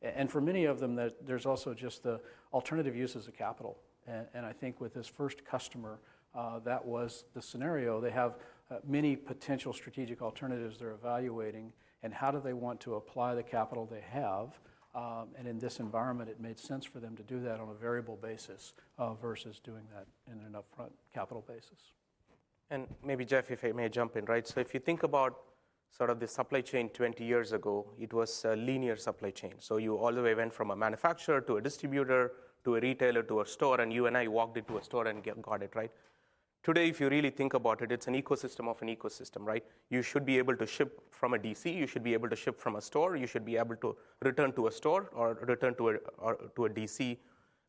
And for many of them, there's also just the alternative uses of capital. And I think with this first customer, that was the scenario. They have many potential strategic alternatives they're evaluating. And how do they want to apply the capital they have? And in this environment, it made sense for them to do that on a variable basis, versus doing that in an upfront capital basis. And maybe, Jeff, if I may jump in, right? So if you think about sort of the supply chain 20 years ago, it was a linear supply chain. So you all the way went from a manufacturer to a distributor to a retailer to a store. And you and I walked into a store and got it, right? Today, if you really think about it, it's an ecosystem of an ecosystem, right? You should be able to ship from a DC. You should be able to ship from a store. You should be able to return to a store or return to a or to a DC.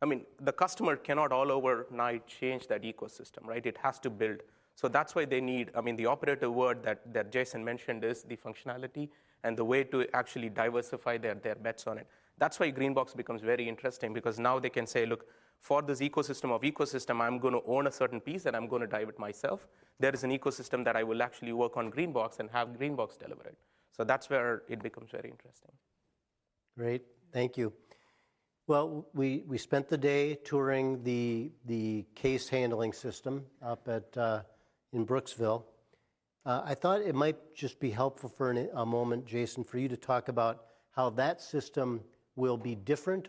I mean, the customer cannot all overnight change that ecosystem, right? It has to build. So that's why they need I mean, the operator word that Jason mentioned is the functionality and the way to actually diversify their bets on it. That's why GreenBox becomes very interesting because now they can say, "Look, for this ecosystem of ecosystems, I'm gonna own a certain piece, and I'm gonna drive it myself. There is an ecosystem that I will actually work on GreenBox and have GreenBox deliver it." So that's where it becomes very interesting. Great. Thank you. Well, we spent the day touring the case handling system up at, in Brooksville. I thought it might just be helpful for a moment, Jason, for you to talk about how that system will be different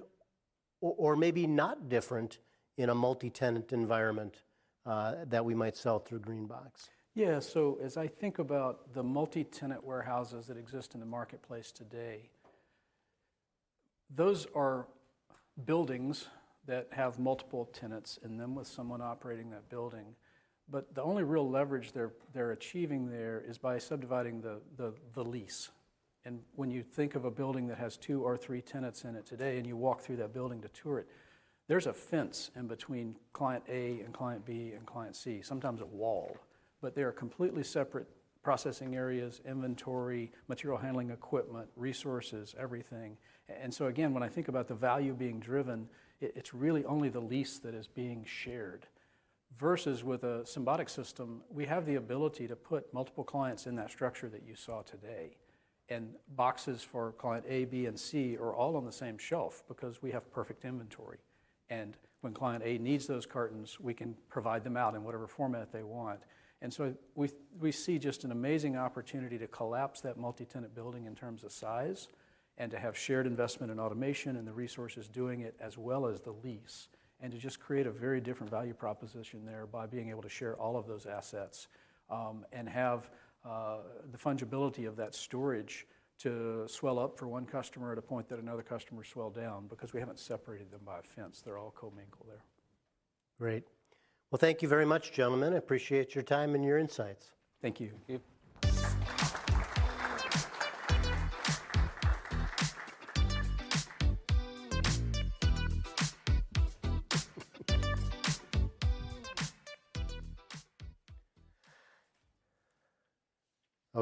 or maybe not different in a multi-tenant environment that we might sell through GreenBox. Yeah. So as I think about the multi-tenant warehouses that exist in the marketplace today, those are buildings that have multiple tenants in them with someone operating that building. But the only real leverage they're achieving there is by subdividing the lease. And when you think of a building that has two or three tenants in it today and you walk through that building to tour it, there's a fence in between client A and client B and client C, sometimes a wall. But they are completely separate processing areas, inventory, material handling equipment, resources, everything. And so again, when I think about the value being driven, it's really only the lease that is being shared. Versus with a Symbotic system, we have the ability to put multiple clients in that structure that you saw today. Boxes for client A, B, and C are all on the same shelf because we have perfect inventory. When client A needs those cartons, we can provide them out in whatever format they want. So we, we see just an amazing opportunity to collapse that multi-tenant building in terms of size and to have shared investment in automation and the resources doing it as well as the lease and to just create a very different value proposition there by being able to share all of those assets, and have the fungibility of that storage to swell up for one customer at a point that another customer swell down because we haven't separated them by a fence. They're all commingled there. Great. Well, thank you very much, gentlemen. I appreciate your time and your insights. Thank you.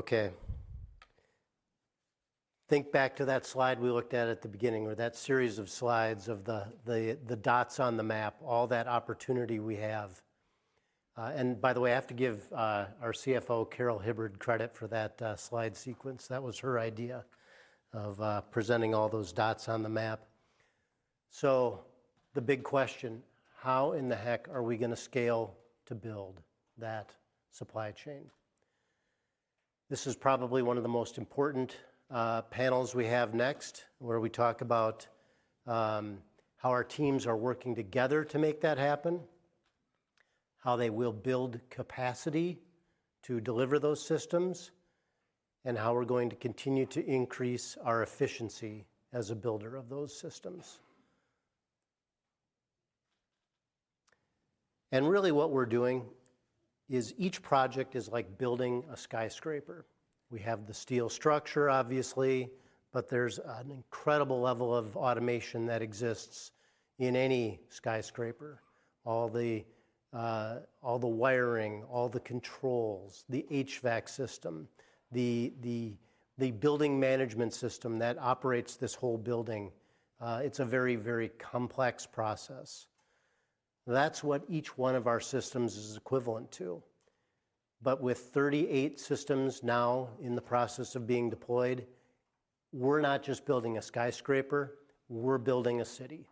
Thank you. Okay. Think back to that slide we looked at at the beginning or that series of slides of the dots on the map, all that opportunity we have. And by the way, I have to give our CFO, Carol Hibbard, credit for that slide sequence. That was her idea of presenting all those dots on the map. So the big question, how in the heck are we gonna scale to build that supply chain? This is probably one of the most important panels we have next where we talk about how our teams are working together to make that happen, how they will build capacity to deliver those systems, and how we're going to continue to increase our efficiency as a builder of those systems. And really what we're doing is each project is like building a skyscraper. We have the steel structure, obviously, but there's an incredible level of automation that exists in any skyscraper. All the wiring, all the controls, the HVAC system, the building management system that operates this whole building, it's a very, very complex process. That's what each one of our systems is equivalent to. But with 38 systems now in the process of being deployed, we're not just building a skyscraper. We're building a city.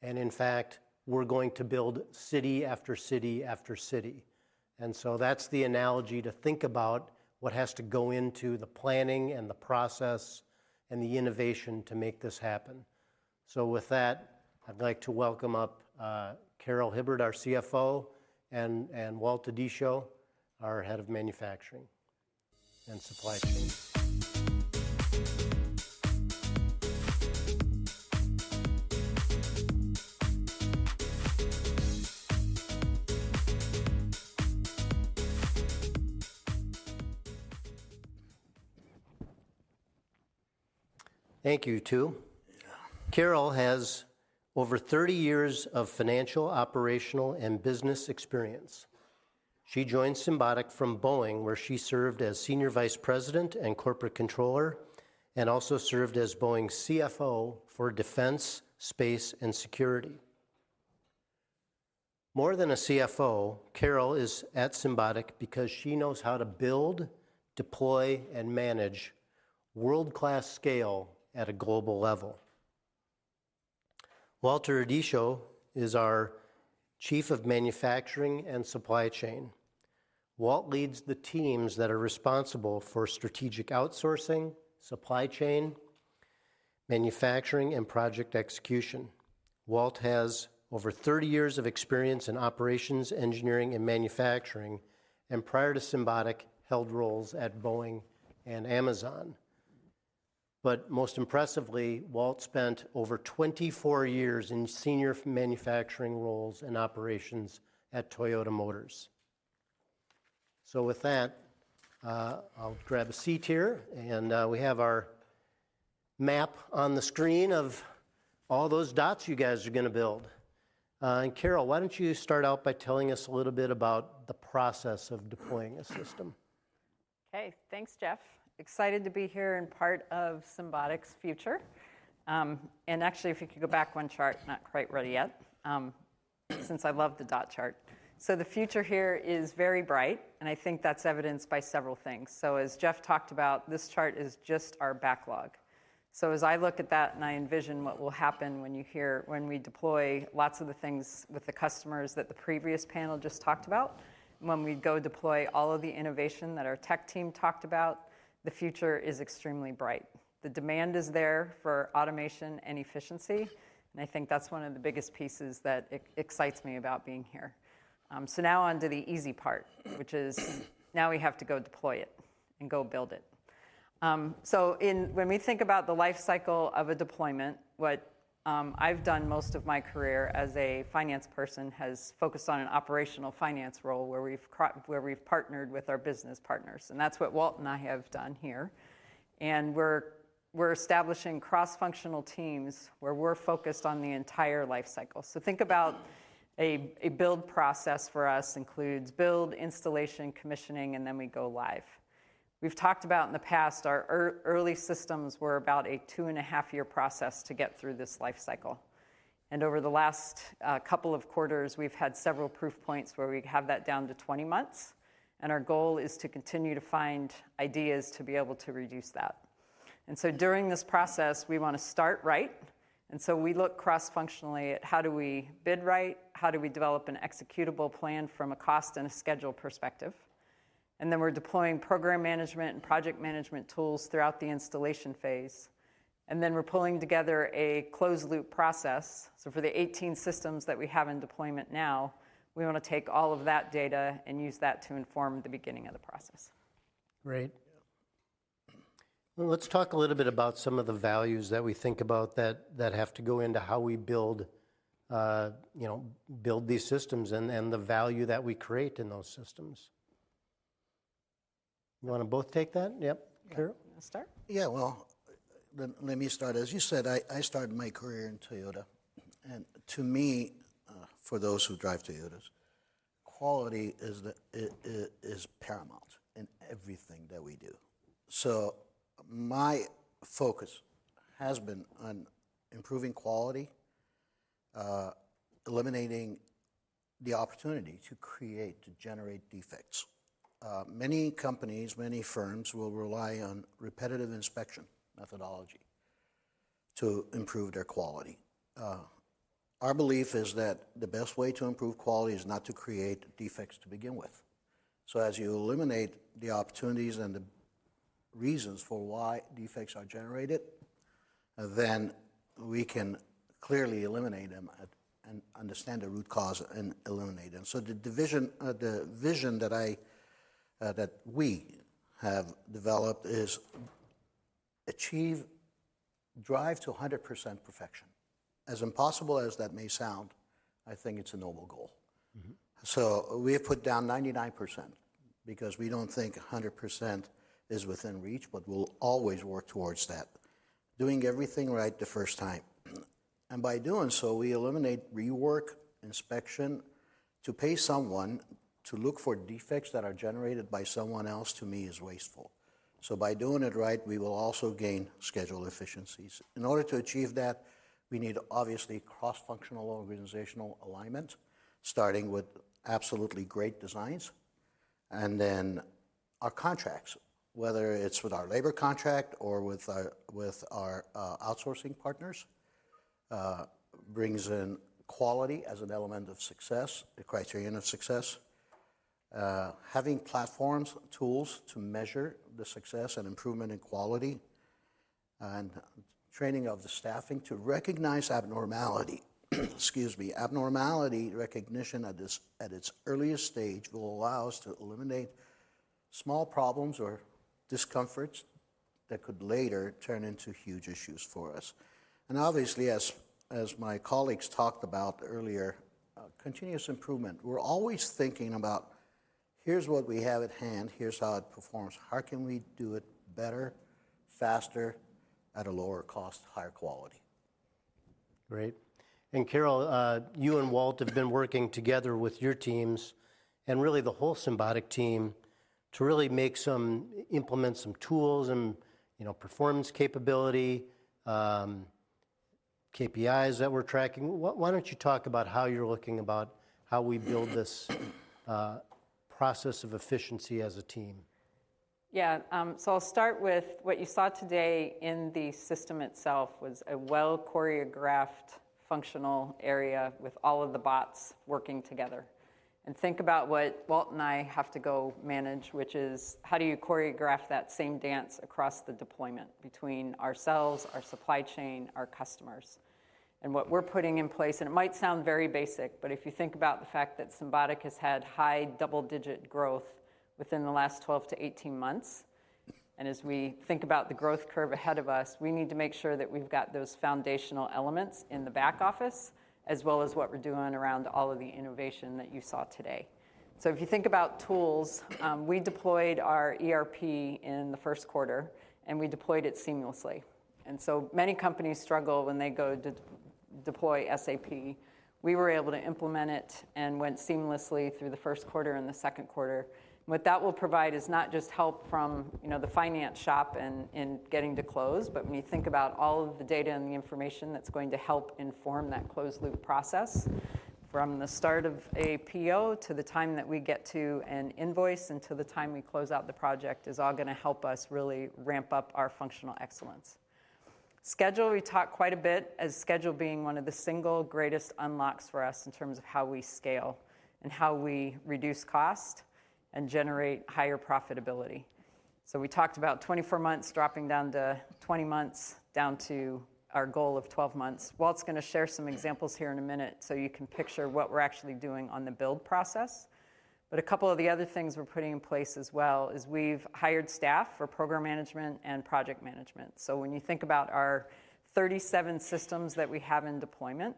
And in fact, we're going to build city after city after city. And so that's the analogy to think about what has to go into the planning and the process and the innovation to make this happen. So with that, I'd like to welcome up Carol Hibbard, our CFO, and Walt Odisho, our Head of Manufacturing and Supply Chain. Thank you, two. Yeah. Carol has over 30 years of financial, operational, and business experience. She joined Symbotic from Boeing where she served as Senior Vice President and Corporate Controller and also served as Boeing's CFO for Defense, Space, and Security. More than a CFO, Carol is at Symbotic because she knows how to build, deploy, and manage world-class scale at a global level. Walt Odisho is our Chief of Manufacturing and Supply Chain. Walt leads the teams that are responsible for strategic outsourcing, supply chain, manufacturing, and project execution. Walt has over 30 years of experience in operations, engineering, and manufacturing. And prior to Symbotic, held roles at Boeing and Amazon. But most impressively, Walt spent over 24 years in senior manufacturing roles and operations at Toyota Motors. So with that, I'll grab a seat here. And, we have our map on the screen of all those dots you guys are gonna build. Carol, why don't you start out by telling us a little bit about the process of deploying a system? Okay. Thanks, Jeff. Excited to be here and part of Symbotic's future. And actually, if you could go back one chart. Not quite ready yet, since I love the dot chart. So the future here is very bright. And I think that's evidenced by several things. So as Jeff talked about, this chart is just our backlog. So as I look at that and I envision what will happen when you hear when we deploy lots of the things with the customers that the previous panel just talked about, when we go deploy all of the innovation that our tech team talked about, the future is extremely bright. The demand is there for automation and efficiency. And I think that's one of the biggest pieces that excites me about being here. So now onto the easy part, which is now we have to go deploy it and go build it. So when we think about the life cycle of a deployment, I've done most of my career as a finance person has focused on an operational finance role where we've partnered with our business partners. And that's what Walt and I have done here. And we're establishing cross-functional teams where we're focused on the entire life cycle. So think about a build process for us includes build, installation, commissioning, and then we go live. We've talked about in the past, our early systems were about a 2.5-year process to get through this life cycle. And over the last couple of quarters, we've had several proof points where we have that down to 20 months. And our goal is to continue to find ideas to be able to reduce that. And so during this process, we wanna start right. And so we look cross-functionally at how do we bid right? How do we develop an executable plan from a cost and a schedule perspective? And then we're deploying program management and project management tools throughout the installation phase. And then we're pulling together a closed-loop process. So for the 18 systems that we have in deployment now, we wanna take all of that data and use that to inform the beginning of the process. Great. Yeah. Well, let's talk a little bit about some of the values that we think about that have to go into how we build, you know, build these systems and the value that we create in those systems. You wanna both take that? Yep. Carol? Yeah. I'll start. Yeah. Well, let me start. As you said, I started my career in Toyota. And to me, for those who drive Toyotas, quality is. It is paramount in everything that we do. So my focus has been on improving quality, eliminating the opportunity to create, to generate defects. Many companies, many firms will rely on repetitive inspection methodology to improve their quality. Our belief is that the best way to improve quality is not to create defects to begin with. So as you eliminate the opportunities and the reasons for why defects are generated, then we can clearly eliminate them at and understand the root cause and eliminate them. So the vision that I, that we have developed is achieve drive to 100% perfection. As impossible as that may sound, I think it's a noble goal. Mm-hmm. So we have put down 99% because we don't think 100% is within reach, but we'll always work towards that, doing everything right the first time. And by doing so, we eliminate rework, inspection. To pay someone to look for defects that are generated by someone else to me is wasteful. So by doing it right, we will also gain schedule efficiencies. In order to achieve that, we need obviously cross-functional organizational alignment, starting with absolutely great designs. And then our contracts, whether it's with our labor contract or with our outsourcing partners, brings in quality as an element of success, the criterion of success. having platforms, tools to measure the success and improvement in quality and training of the staffing to recognize abnormality—excuse me, abnormality recognition—at its earliest stage will allow us to eliminate small problems or discomforts that could later turn into huge issues for us. And obviously, as my colleagues talked about earlier, continuous improvement, we're always thinking about, "Here's what we have at hand. Here's how it performs. How can we do it better, faster, at a lower cost, higher quality? Great. And Carol, you and Walt have been working together with your teams and really the whole Symbotic team to really make some implement some tools and, you know, performance capability, KPIs that we're tracking. Why don't you talk about how you're looking about how we build this, process of efficiency as a team? Yeah. So I'll start with what you saw today in the system itself was a well-choreographed functional area with all of the bots working together. And think about what Walt and I have to go manage, which is how do you choreograph that same dance across the deployment between ourselves, our supply chain, our customers? And what we're putting in place and it might sound very basic, but if you think about the fact that Symbotic has had high double-digit growth within the last 12-18 months, and as we think about the growth curve ahead of us, we need to make sure that we've got those foundational elements in the back office as well as what we're doing around all of the innovation that you saw today. So if you think about tools, we deployed our ERP in the first quarter, and we deployed it seamlessly. So many companies struggle when they go to deploy SAP. We were able to implement it and went seamlessly through the first quarter and the second quarter. What that will provide is not just help from, you know, the finance shop and getting to close, but when you think about all of the data and the information that's going to help inform that closed-loop process from the start of a PO to the time that we get to an invoice and to the time we close out the project is all gonna help us really ramp up our functional excellence. Schedule, we talk quite a bit as schedule being one of the single greatest unlocks for us in terms of how we scale and how we reduce cost and generate higher profitability. So we talked about 24 months dropping down to 20 months, down to our goal of 12 months. Walt's gonna share some examples here in a minute so you can picture what we're actually doing on the build process. But a couple of the other things we're putting in place as well is we've hired staff for program management and project management. So when you think about our 37 systems that we have in deployment,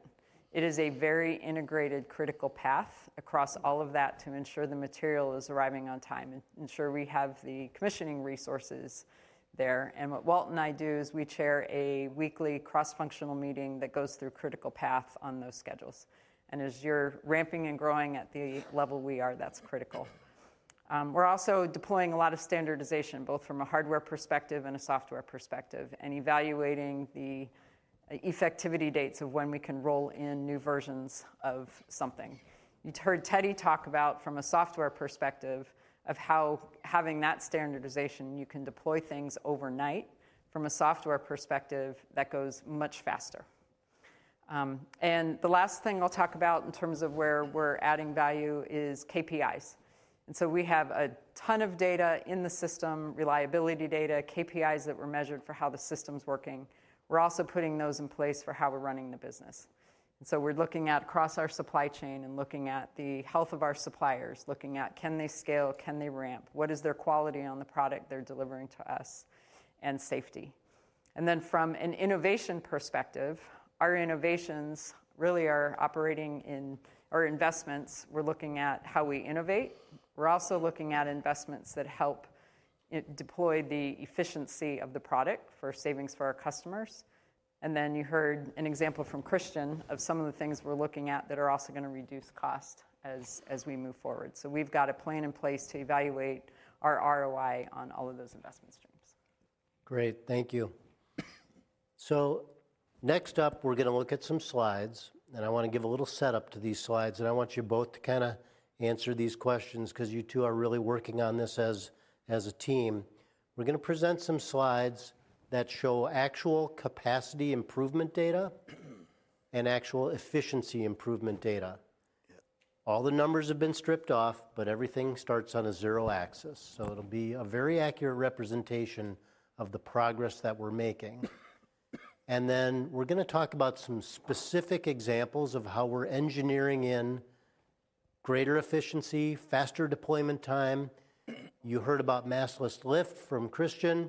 it is a very integrated critical path across all of that to ensure the material is arriving on time and ensure we have the commissioning resources there. And what Walt and I do is we chair a weekly cross-functional meeting that goes through critical path on those schedules. And as you're ramping and growing at the level we are, that's critical. We're also deploying a lot of standardization both from a hardware perspective and a software perspective and evaluating the effective dates of when we can roll in new versions of something. You've heard Teddy talk about from a software perspective of how having that standardization, you can deploy things overnight from a software perspective that goes much faster. The last thing I'll talk about in terms of where we're adding value is KPIs. We have a ton of data in the system, reliability data, KPIs that were measured for how the system's working. We're also putting those in place for how we're running the business. We're looking at across our supply chain and looking at the health of our suppliers, looking at can they scale? Can they ramp? What is their quality on the product they're delivering to us? And safety. From an innovation perspective, our innovations really are operating in our investments, we're looking at how we innovate. We're also looking at investments that help deploy the efficiency of the product for savings for our customers. You heard an example from Cristian of some of the things we're looking at that are also gonna reduce cost as we move forward. So we've got a plan in place to evaluate our ROI on all of those investment streams. Great. Thank you. So next up, we're gonna look at some slides. I wanna give a little setup to these slides. I want you both to kinda answer these questions 'cause you two are really working on this as, as a team. We're gonna present some slides that show actual capacity improvement data and actual efficiency improvement data. Yeah. All the numbers have been stripped off, but everything starts on a zero axis. So it'll be a very accurate representation of the progress that we're making. And then we're gonna talk about some specific examples of how we're engineering in greater efficiency, faster deployment time. You heard about mastless lift from Cristian,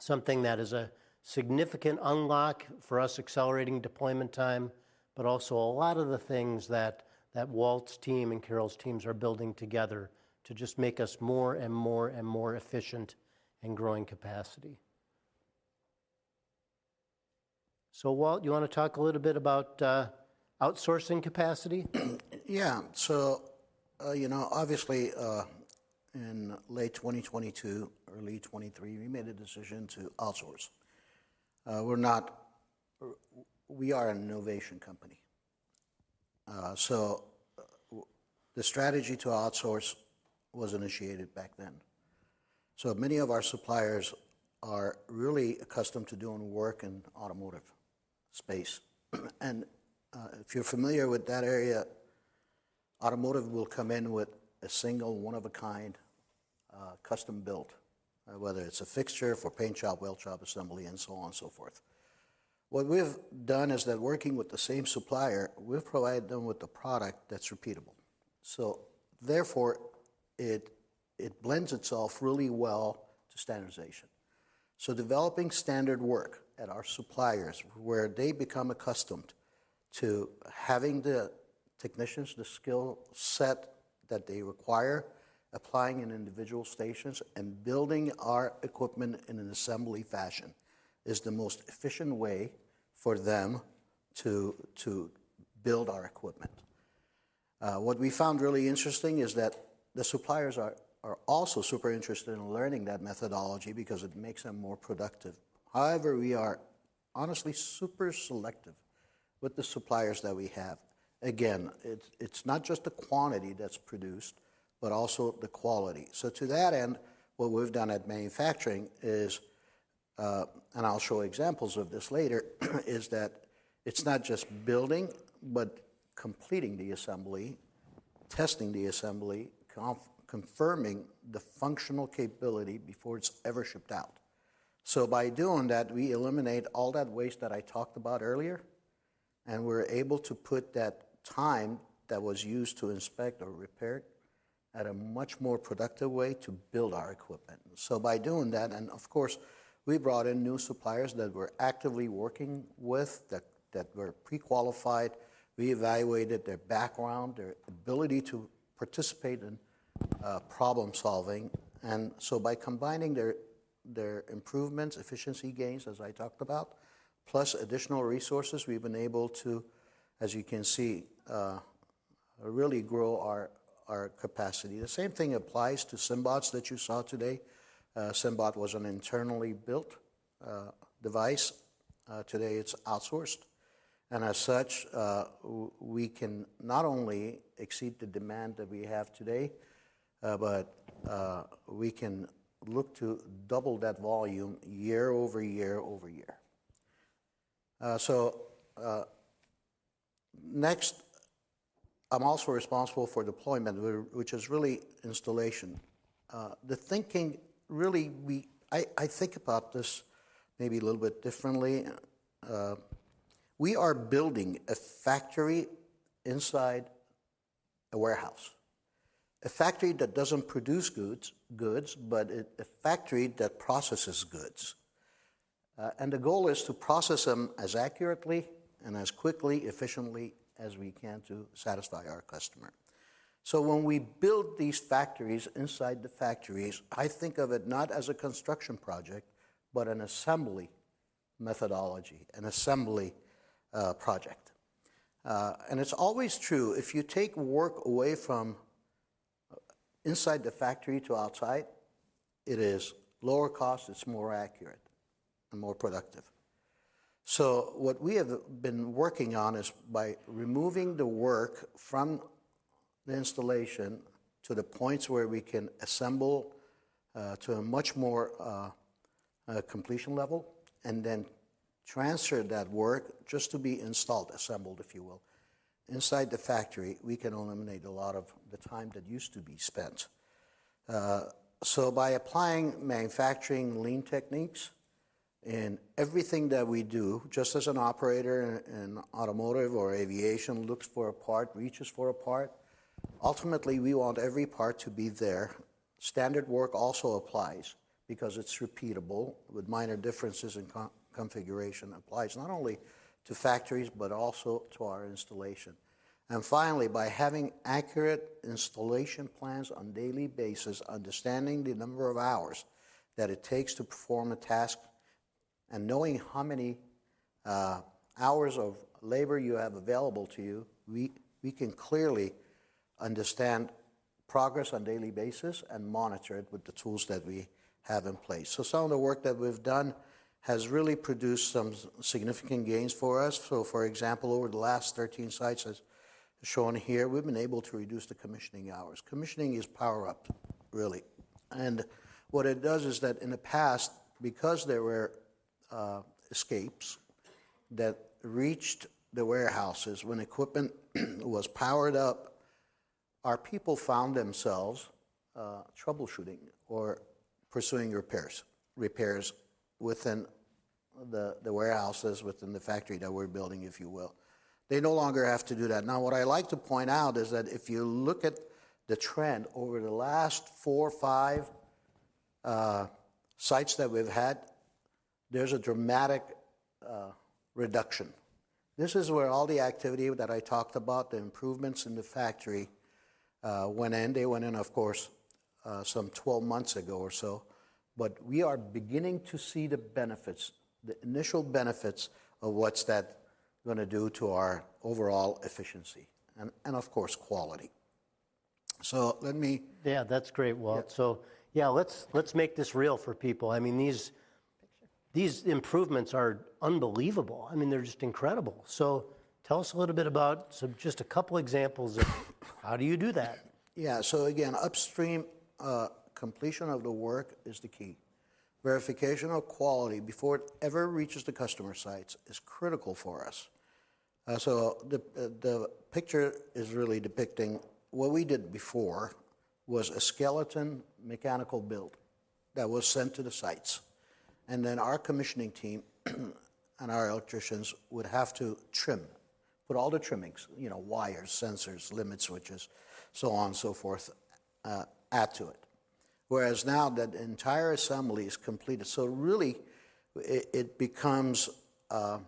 something that is a significant unlock for us accelerating deployment time, but also a lot of the things that, that Walt's team and Carol's teams are building together to just make us more and more and more efficient and growing capacity. So Walt, you wanna talk a little bit about, outsourcing capacity? Yeah. So, you know, obviously, in late 2022, early 2023, we made a decision to outsource. We are an innovation company. So, the strategy to outsource was initiated back then. So many of our suppliers are really accustomed to doing work in automotive space. And, if you're familiar with that area, automotive will come in with a single one-of-a-kind, custom-built, whether it's a fixture for paint job, weld job assembly, and so on and so forth. What we've done is that working with the same supplier, we've provided them with the product that's repeatable. So therefore, it blends itself really well to standardization. So developing standard work at our suppliers where they become accustomed to having the technicians, the skill set that they require, applying in individual stations, and building our equipment in an assembly fashion is the most efficient way for them to, to build our equipment. What we found really interesting is that the suppliers are, are also super interested in learning that methodology because it makes them more productive. However, we are honestly super selective with the suppliers that we have. Again, it's, it's not just the quantity that's produced, but also the quality. So to that end, what we've done at manufacturing is, and I'll show examples of this later, is that it's not just building, but completing the assembly, testing the assembly, confirming the functional capability before it's ever shipped out. So by doing that, we eliminate all that waste that I talked about earlier, and we're able to put that time that was used to inspect or repair at a much more productive way to build our equipment. So by doing that and of course, we brought in new suppliers that we're actively working with that were pre-qualified. We evaluated their background, their ability to participate in problem-solving. And so by combining their improvements, efficiency gains, as I talked about, plus additional resources, we've been able to, as you can see, really grow our capacity. The same thing applies to SymBots that you saw today. SymBot was an internally built device. Today, it's outsourced. And as such, we can not only exceed the demand that we have today, but we can look to double that volume year over year over year. Next, I'm also responsible for deployment, which is really installation. The thinking really I think about this maybe a little bit differently. We are building a factory inside a warehouse, a factory that doesn't produce goods, but it's a factory that processes goods. The goal is to process them as accurately and as quickly, efficiently as we can to satisfy our customer. When we build these factories inside the factories, I think of it not as a construction project, but an assembly methodology, an assembly project. It's always true, if you take work away from inside the factory to outside, it is lower cost, it's more accurate, and more productive. So what we have been working on is by removing the work from the installation to the points where we can assemble, to a much more completion level and then transfer that work just to be installed, assembled, if you will, inside the factory, we can eliminate a lot of the time that used to be spent. So by applying manufacturing lean techniques in everything that we do, just as an operator in automotive or aviation looks for a part, reaches for a part, ultimately, we want every part to be there. Standard work also applies because it's repeatable with minor differences in configuration. It applies not only to factories, but also to our installation. Finally, by having accurate installation plans on a daily basis, understanding the number of hours that it takes to perform a task and knowing how many hours of labor you have available to you, we can clearly understand progress on a daily basis and monitor it with the tools that we have in place. Some of the work that we've done has really produced some significant gains for us. For example, over the last 13 sites, as shown here, we've been able to reduce the commissioning hours. Commissioning is power-up, really. What it does is that in the past, because there were escapes that reached the warehouses when equipment was powered up, our people found themselves troubleshooting or pursuing repairs within the warehouses, within the factory that we're building, if you will. They no longer have to do that. Now, what I like to point out is that if you look at the trend over the last four, five sites that we've had, there's a dramatic reduction. This is where all the activity that I talked about, the improvements in the factory, went in. They went in, of course, some 12 months ago or so. But we are beginning to see the benefits, the initial benefits of what's that gonna do to our overall efficiency and, and of course, quality. So let me. Yeah. That's great, Walt. So yeah, let's, let's make this real for people. I mean, these. Picture. These improvements are unbelievable. I mean, they're just incredible. So tell us a little bit about some just a couple examples of how do you do that? Yeah. So again, upstream, completion of the work is the key. Verification of quality before it ever reaches the customer sites is critical for us. So the picture is really depicting what we did before was a skeleton mechanical build that was sent to the sites. And then our commissioning team and our electricians would have to trim, put all the trimmings, you know, wires, sensors, limit switches, so on and so forth, add to it. Whereas now, that entire assembly is completed. So really, it becomes a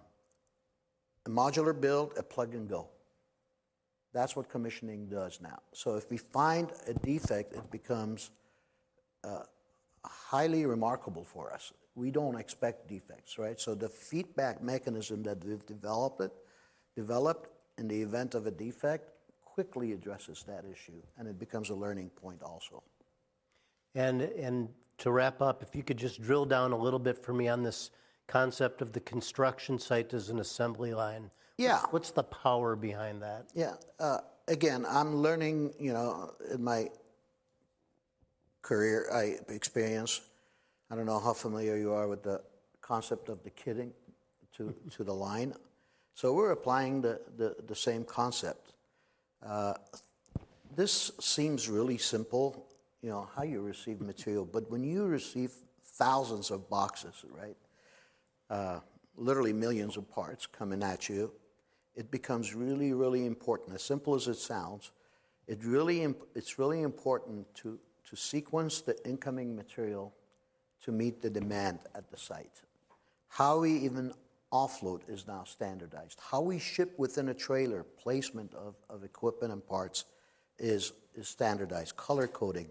modular build, a plug-and-go. That's what commissioning does now. So if we find a defect, it becomes highly remarkable for us. We don't expect defects, right? So the feedback mechanism that they've developed in the event of a defect quickly addresses that issue, and it becomes a learning point also. To wrap up, if you could just drill down a little bit for me on this concept of the construction site as an assembly line. What's the power behind that? Yeah. Again, I'm learning, you know, in my career, I experience, I don't know how familiar you are with the concept of the kitting to, to the line. So we're applying the, the, the same concept. This seems really simple, you know, how you receive material. But when you receive thousands of boxes, right, literally millions of parts coming at you, it becomes really, really important. As simple as it sounds, it really, I mean, it's really important to, to sequence the incoming material to meet the demand at the site. How we even offload is now standardized. How we ship within a trailer, placement of, of equipment and parts is, is standardized. Color coding.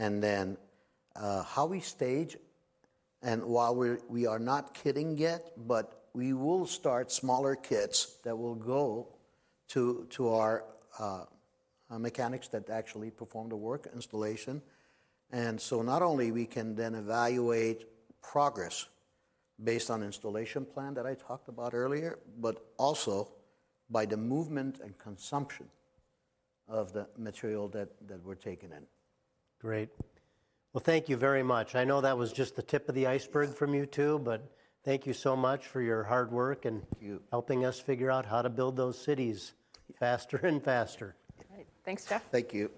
And then, how we stage and while we're, we are not kitting yet, but we will start smaller kits that will go to, to our, mechanics that actually perform the work installation. And so not only we can then evaluate progress based on installation plan that I talked about earlier, but also by the movement and consumption of the material that we're taking in. Great. Well, thank you very much. I know that was just the tip of the iceberg from you two, but thank you so much for your hard work and. Thank you. Helping us figure out how to build those cities faster and faster. All right. Thanks, Jeff. Thank you.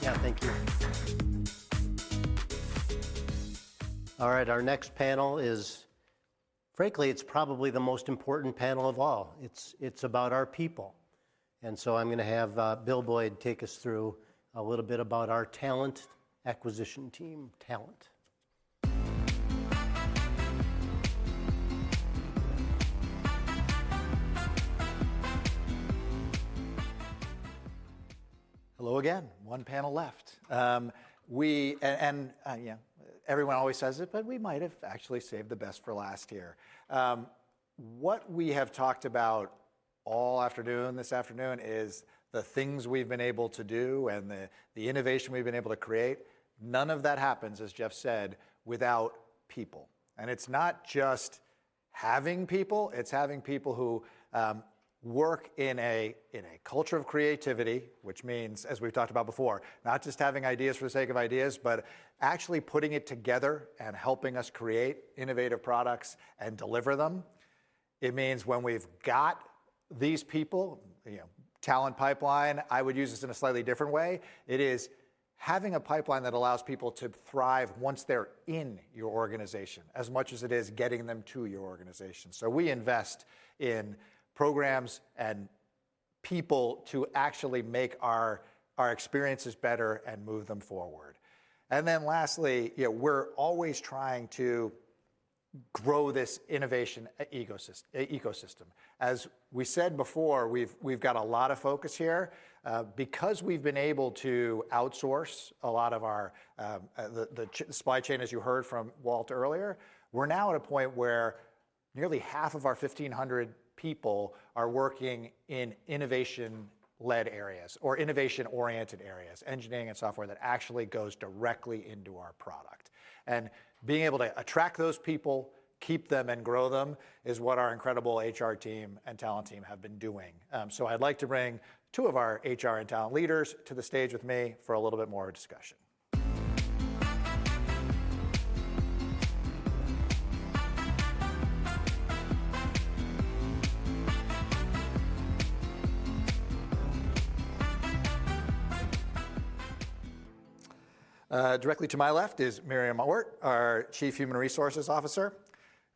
Yeah. Thank you. All right. Our next panel is frankly, it's probably the most important panel of all. It's about our people. And so I'm gonna have Bill Boyd take us through a little bit about our talent acquisition team, talent. Hello again. One panel left. And yeah, everyone always says it, but we might have actually saved the best for last year. What we have talked about all afternoon is the things we've been able to do and the innovation we've been able to create. None of that happens, as Jeff said, without people. And it's not just having people. It's having people who work in a culture of creativity, which means, as we've talked about before, not just having ideas for the sake of ideas, but actually putting it together and helping us create innovative products and deliver them. It means when we've got these people, you know, talent pipeline, I would use this in a slightly different way. It is having a pipeline that allows people to thrive once they're in your organization as much as it is getting them to your organization. So we invest in programs and people to actually make our experiences better and move them forward. And then lastly, you know, we're always trying to grow this innovation ecosystem. As we said before, we've got a lot of focus here because we've been able to outsource a lot of our supply chain, as you heard from Walt earlier, we're now at a point where nearly half of our 1,500 people are working in innovation-led areas or innovation-oriented areas, engineering and software that actually goes directly into our product. Being able to attract those people, keep them, and grow them is what our incredible HR team and talent team have been doing. I'd like to bring two of our HR and talent leaders to the stage with me for a little bit more discussion. Directly to my left is Miriam Ort, our Chief Human Resources Officer.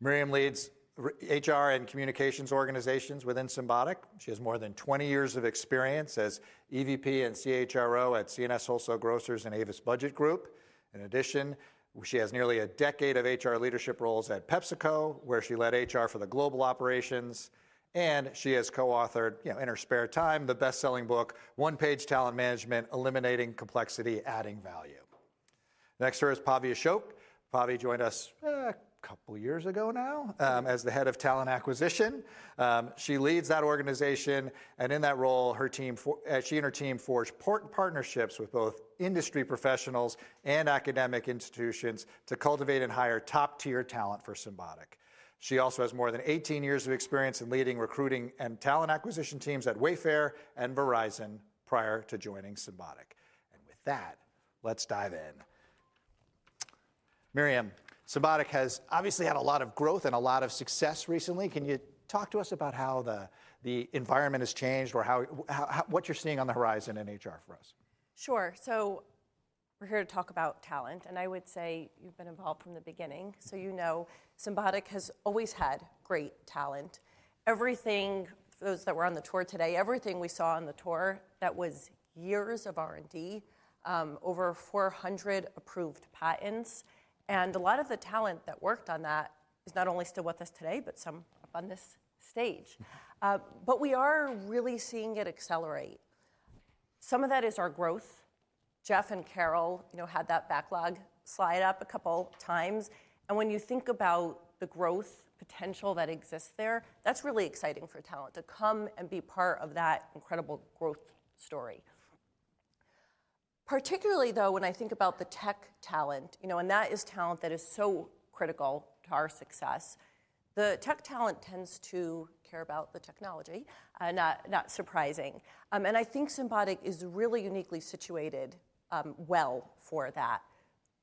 Miriam leads HR and communications organizations within Symbotic. She has more than 20 years of experience as EVP and CHRO at C&S Wholesale Grocers and Avis Budget Group. In addition, she has nearly a decade of HR leadership roles at PepsiCo, where she led HR for the global operations. And she has co-authored, you know, in her spare time, the bestselling book, One Page Talent Management: Eliminating Complexity, Adding Value. Next to her is Pavi Ashok. Pavi joined us a couple years ago now, as the Head of Talent Acquisition. She leads that organization. In that role, her team for she and her team forge partnerships with both industry professionals and academic institutions to cultivate and hire top-tier talent for Symbotic. She also has more than 18 years of experience in leading recruiting and talent acquisition teams at Wayfair and Verizon prior to joining Symbotic. With that, let's dive in. Miriam, Symbotic has obviously had a lot of growth and a lot of success recently. Can you talk to us about how the environment has changed or how what you're seeing on the horizon in HR for us? Sure. So we're here to talk about talent. And I would say you've been involved from the beginning. So you know, Symbotic has always had great talent. Everything for those that were on the tour today, everything we saw on the tour that was years of R&D, over 400 approved patents. And a lot of the talent that worked on that is not only still with us today, but some up on this stage. But we are really seeing it accelerate. Some of that is our growth. Jeff and Carol, you know, had that backlog slide up a couple times. And when you think about the growth potential that exists there, that's really exciting for talent to come and be part of that incredible growth story. Particularly, though, when I think about the tech talent, you know, and that is talent that is so critical to our success, the tech talent tends to care about the technology, not, not surprising. I think Symbotic is really uniquely situated, well for that.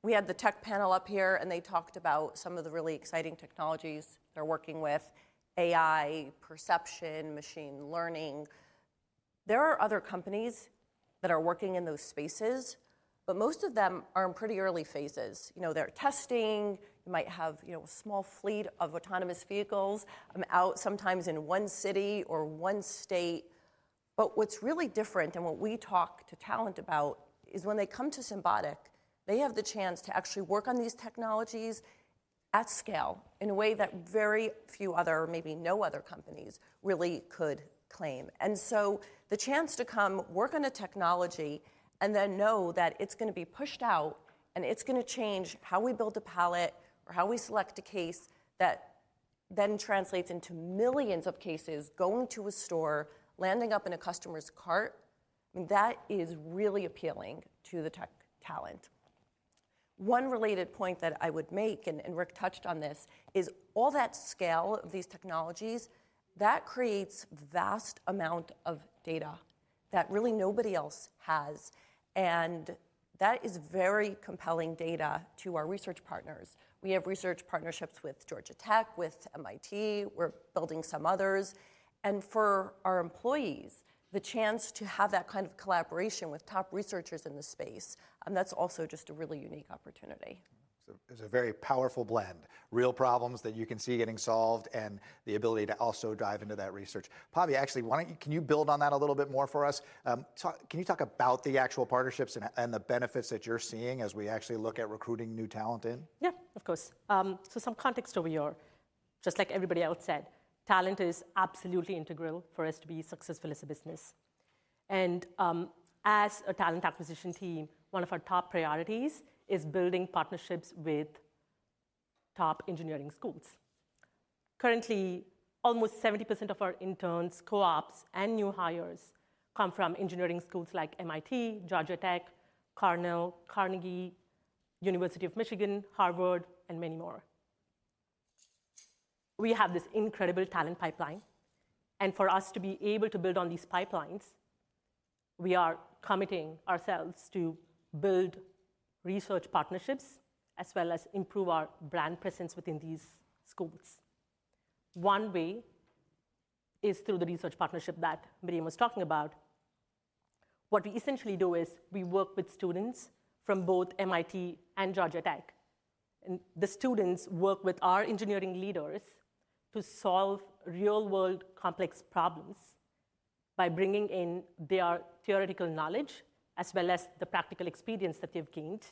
We had the tech panel up here, and they talked about some of the really exciting technologies they're working with: AI, perception, machine learning. There are other companies that are working in those spaces, but most of them are in pretty early phases. You know, they're testing. You might have, you know, a small fleet of autonomous vehicles, out sometimes in one city or one state. But what's really different and what we talk to talent about is when they come to Symbotic, they have the chance to actually work on these technologies at scale in a way that very few other, maybe no other companies really could claim. And so the chance to come work on a technology and then know that it's gonna be pushed out and it's gonna change how we build a pallet or how we select a case that then translates into millions of cases going to a store, landing up in a customer's cart. I mean, that is really appealing to the tech talent. One related point that I would make, and Rick touched on this, is all that scale of these technologies, that creates a vast amount of data that really nobody else has. That is very compelling data to our research partners. We have research partnerships with Georgia Tech, with MIT. We're building some others. For our employees, the chance to have that kind of collaboration with top researchers in the space, that's also just a really unique opportunity. So it's a very powerful blend: real problems that you can see getting solved and the ability to also dive into that research. Pavi, actually, why don't you build on that a little bit more for us? Can you talk about the actual partnerships and the benefits that you're seeing as we actually look at recruiting new talent in? Yeah. Of course. So some context over here. Just like everybody else said, talent is absolutely integral for us to be successful as a business. And, as a talent acquisition team, one of our top priorities is building partnerships with top engineering schools. Currently, almost 70% of our interns, co-ops, and new hires come from engineering schools like MIT, Georgia Tech, Cornell, Carnegie Mellon, University of Michigan, Harvard, and many more. We have this incredible talent pipeline. And for us to be able to build on these pipelines, we are committing ourselves to build research partnerships as well as improve our brand presence within these schools. One way is through the research partnership that Miriam was talking about. What we essentially do is we work with students from both MIT and Georgia Tech. The students work with our engineering leaders to solve real-world complex problems by bringing in their theoretical knowledge as well as the practical experience that they've gained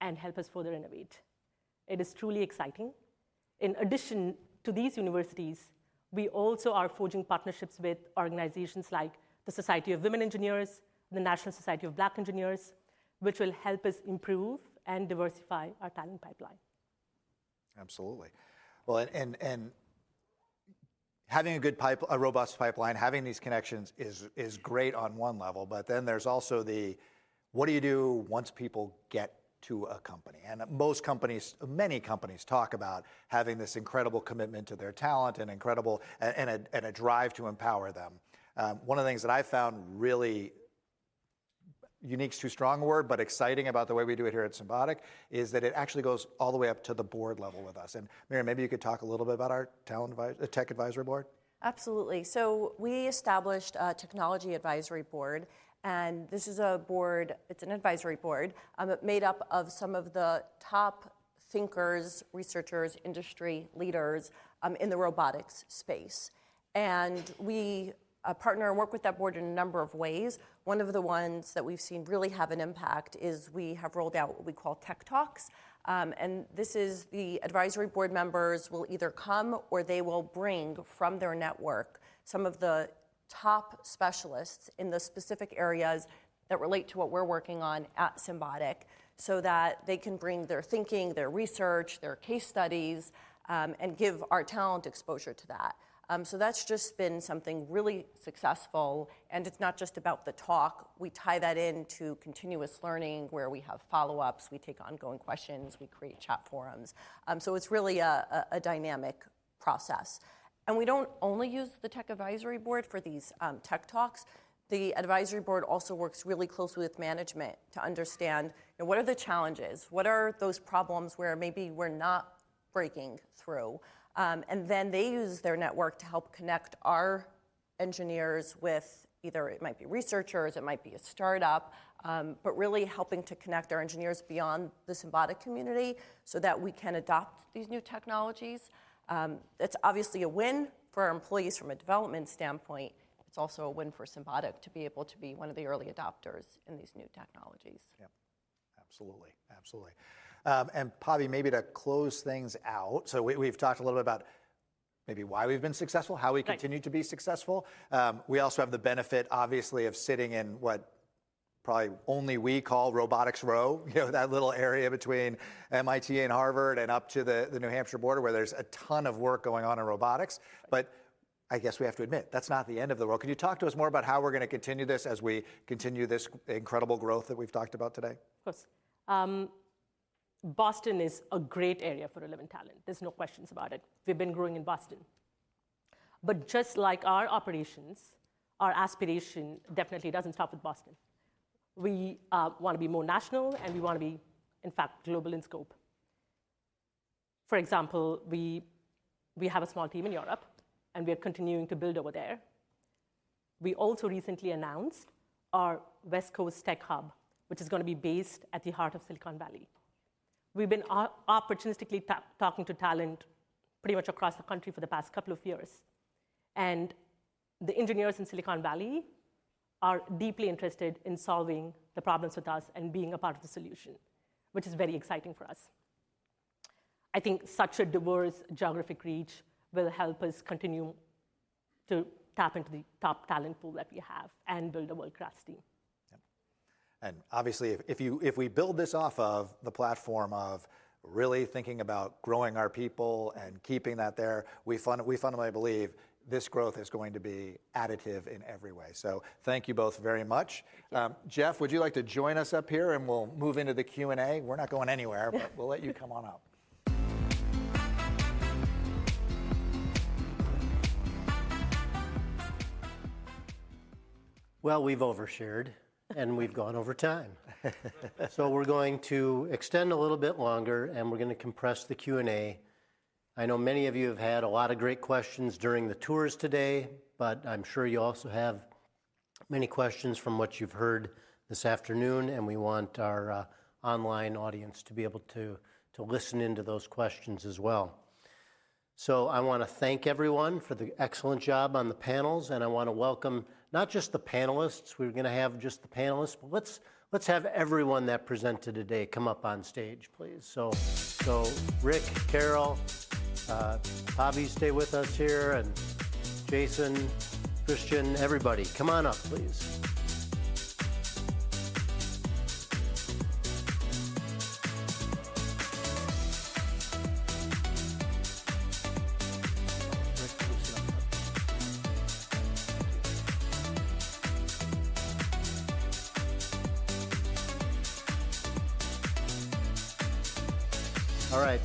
and help us further innovate. It is truly exciting. In addition to these universities, we also are forging partnerships with organizations like the Society of Women Engineers, the National Society of Black Engineers, which will help us improve and diversify our talent pipeline. Absolutely. Well, having a good pipeline, a robust pipeline, having these connections is great on one level. But then there's also the, what do you do once people get to a company? And most companies, many companies talk about having this incredible commitment to their talent and incredible drive to empower them. One of the things that I found really unique, too strong a word, but exciting about the way we do it here at Symbotic is that it actually goes all the way up to the board level with us. And Miriam, maybe you could talk a little bit about our talent advisory, tech advisory board? Absolutely. So we established a Technology Advisory Board. And this is a board. It's an advisory board. It's made up of some of the top thinkers, researchers, industry leaders, in the robotics space. And we partner and work with that board in a number of ways. One of the ones that we've seen really have an impact is we have rolled out what we call Tech Talks. And this is the advisory board members will either come or they will bring from their network some of the top specialists in the specific areas that relate to what we're working on at Symbotic so that they can bring their thinking, their research, their case studies, and give our talent exposure to that. So that's just been something really successful. And it's not just about the talk. We tie that into continuous learning where we have follow-ups. We take ongoing questions. We create chat forums. So it's really a dynamic process. And we don't only use the tech advisory board for these Tech Talks. The advisory board also works really closely with management to understand, you know, what are the challenges? What are those problems where maybe we're not breaking through? And then they use their network to help connect our engineers with either it might be researchers. It might be a startup, but really helping to connect our engineers beyond the Symbotic community so that we can adopt these new technologies. It's obviously a win for our employees from a development standpoint. It's also a win for Symbotic to be able to be one of the early adopters in these new technologies. Yep. Absolutely. Absolutely. And Pavi, maybe to close things out. So we, we've talked a little bit about maybe why we've been successful, how we continue to be successful. We also have the benefit, obviously, of sitting in what probably only we call Robotics Row, you know, that little area between MIT and Harvard and up to the, the New Hampshire border where there's a ton of work going on in robotics. But I guess we have to admit, that's not the end of the world. Can you talk to us more about how we're gonna continue this as we continue this incredible growth that we've talked about today? Of course. Boston is a great area for relevant talent. There's no question about it. We've been growing in Boston. But just like our operations, our aspiration definitely doesn't stop with Boston. We wanna be more national, and we wanna be, in fact, global in scope. For example, we have a small team in Europe, and we are continuing to build over there. We also recently announced our West Coast Tech Hub, which is gonna be based at the heart of Silicon Valley. We've been opportunistically talking to talent pretty much across the country for the past couple of years. And the engineers in Silicon Valley are deeply interested in solving the problems with us and being a part of the solution, which is very exciting for us. I think such a diverse geographic reach will help us continue to tap into the top talent pool that we have and build a world-class team. Yep. And obviously, if we build this off of the platform of really thinking about growing our people and keeping that there, we fundamentally believe this growth is going to be additive in every way. So thank you both very much. Jeff, would you like to join us up here, and we'll move into the Q&A. We're not going anywhere, but we'll let you come on up. Well, we've overshared, and we've gone over time. So we're going to extend a little bit longer, and we're gonna compress the Q&A. I know many of you have had a lot of great questions during the tours today, but I'm sure you also have many questions from what you've heard this afternoon. And we want our online audience to be able to listen into those questions as well. So I wanna thank everyone for the excellent job on the panels. And I wanna welcome not just the panelists. We're gonna have just the panelists, but let's have everyone that presented today come up on stage, please. So Rick, Carol, Pavi, stay with us here. And Jason, Cristian, everybody, come on up, please.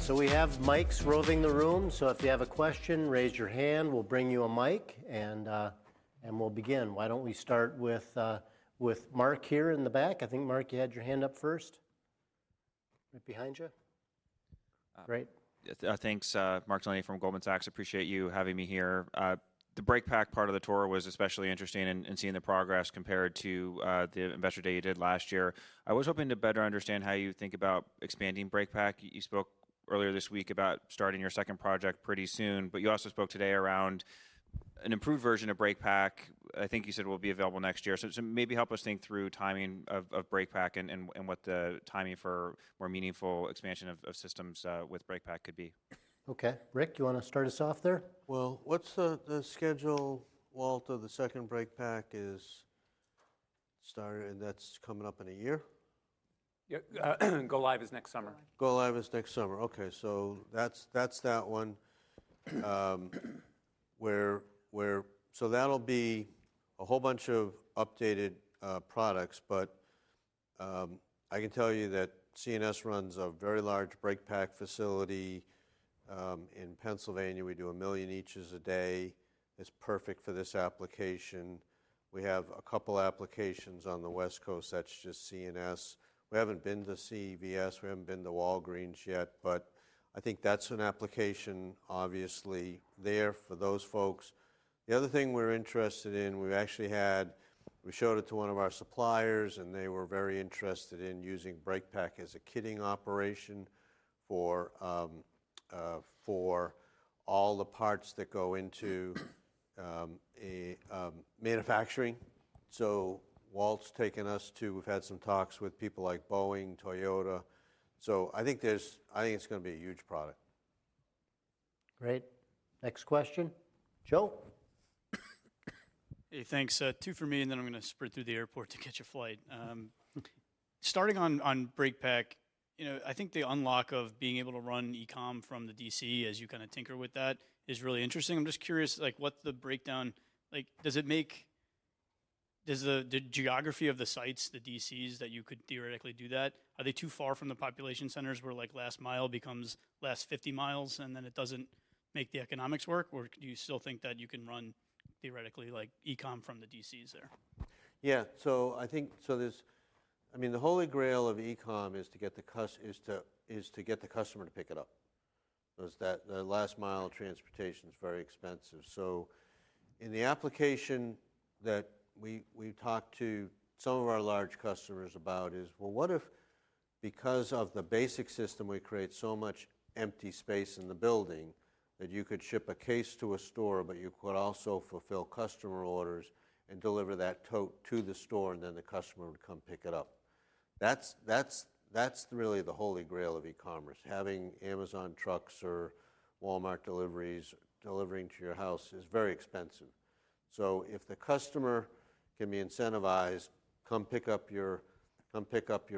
All right. So we have mics roving the room. So if you have a question, raise your hand. We'll bring you a mic. We'll begin. Why don't we start with Mark here in the back? I think, Mark, you had your hand up first right behind you. Great. Thanks, Mark Delaney from Goldman Sachs. Appreciate you having me here. The BreakPack part of the tour was especially interesting in seeing the progress compared to the investor day you did last year. I was hoping to better understand how you think about expanding BreakPack. You spoke earlier this week about starting your second project pretty soon. But you also spoke today around an improved version of BreakPack. I think you said it will be available next year. So maybe help us think through timing of BreakPack and what the timing for more meaningful expansion of systems with BreakPack could be. Okay. Rick, you wanna start us off there? Well, what's the schedule, Walt, of the second BreakPack starting? And that's coming up in a year? Yeah. Go Live is next summer. Go Live is next summer. Okay. So that's, that's that one, where, where so that'll be a whole bunch of updated products. But I can tell you that C&S runs a very large BreakPack facility in Pennsylvania. We do one million eaches a day. It's perfect for this application. We have a couple applications on the West Coast. That's just C&S. We haven't been to CVS. We haven't been to Walgreens yet. But I think that's an application, obviously, there for those folks. The other thing we're interested in we actually had we showed it to one of our suppliers, and they were very interested in using BreakPack as a kitting operation for, for all the parts that go into a manufacturing. So Walt's taken us to we've had some talks with people like Boeing, Toyota. So I think there's I think it's gonna be a huge product. Great. Next question. Joe? Hey. Thanks. Two for me, and then I'm gonna sprint through the airport to catch a flight. Starting on, on BreakPack, you know, I think the unlock of being able to run e-com from the DC, as you kinda tinker with that, is really interesting. I'm just curious, like, what's the breakdown like, does it make does the geography of the sites, the DCs, that you could theoretically do that? Are they too far from the population centers where, like, last mile becomes last 50 mi, and then it doesn't make the economics work? Or do you still think that you can run, theoretically, like, e-com from the DCs there? Yeah. So I think, I mean, the holy grail of e-com is to get the customer to pick it up. So it's that last mile transportation's very expensive. So in the application that we talked to some of our large customers about is, well, what if because of the basic system, we create so much empty space in the building that you could ship a case to a store, but you could also fulfill customer orders and deliver that tote to the store, and then the customer would come pick it up? That's really the holy grail of e-commerce. Having Amazon trucks or Walmart deliveries delivering to your house is very expensive. So if the customer can be incentivized, come pick up your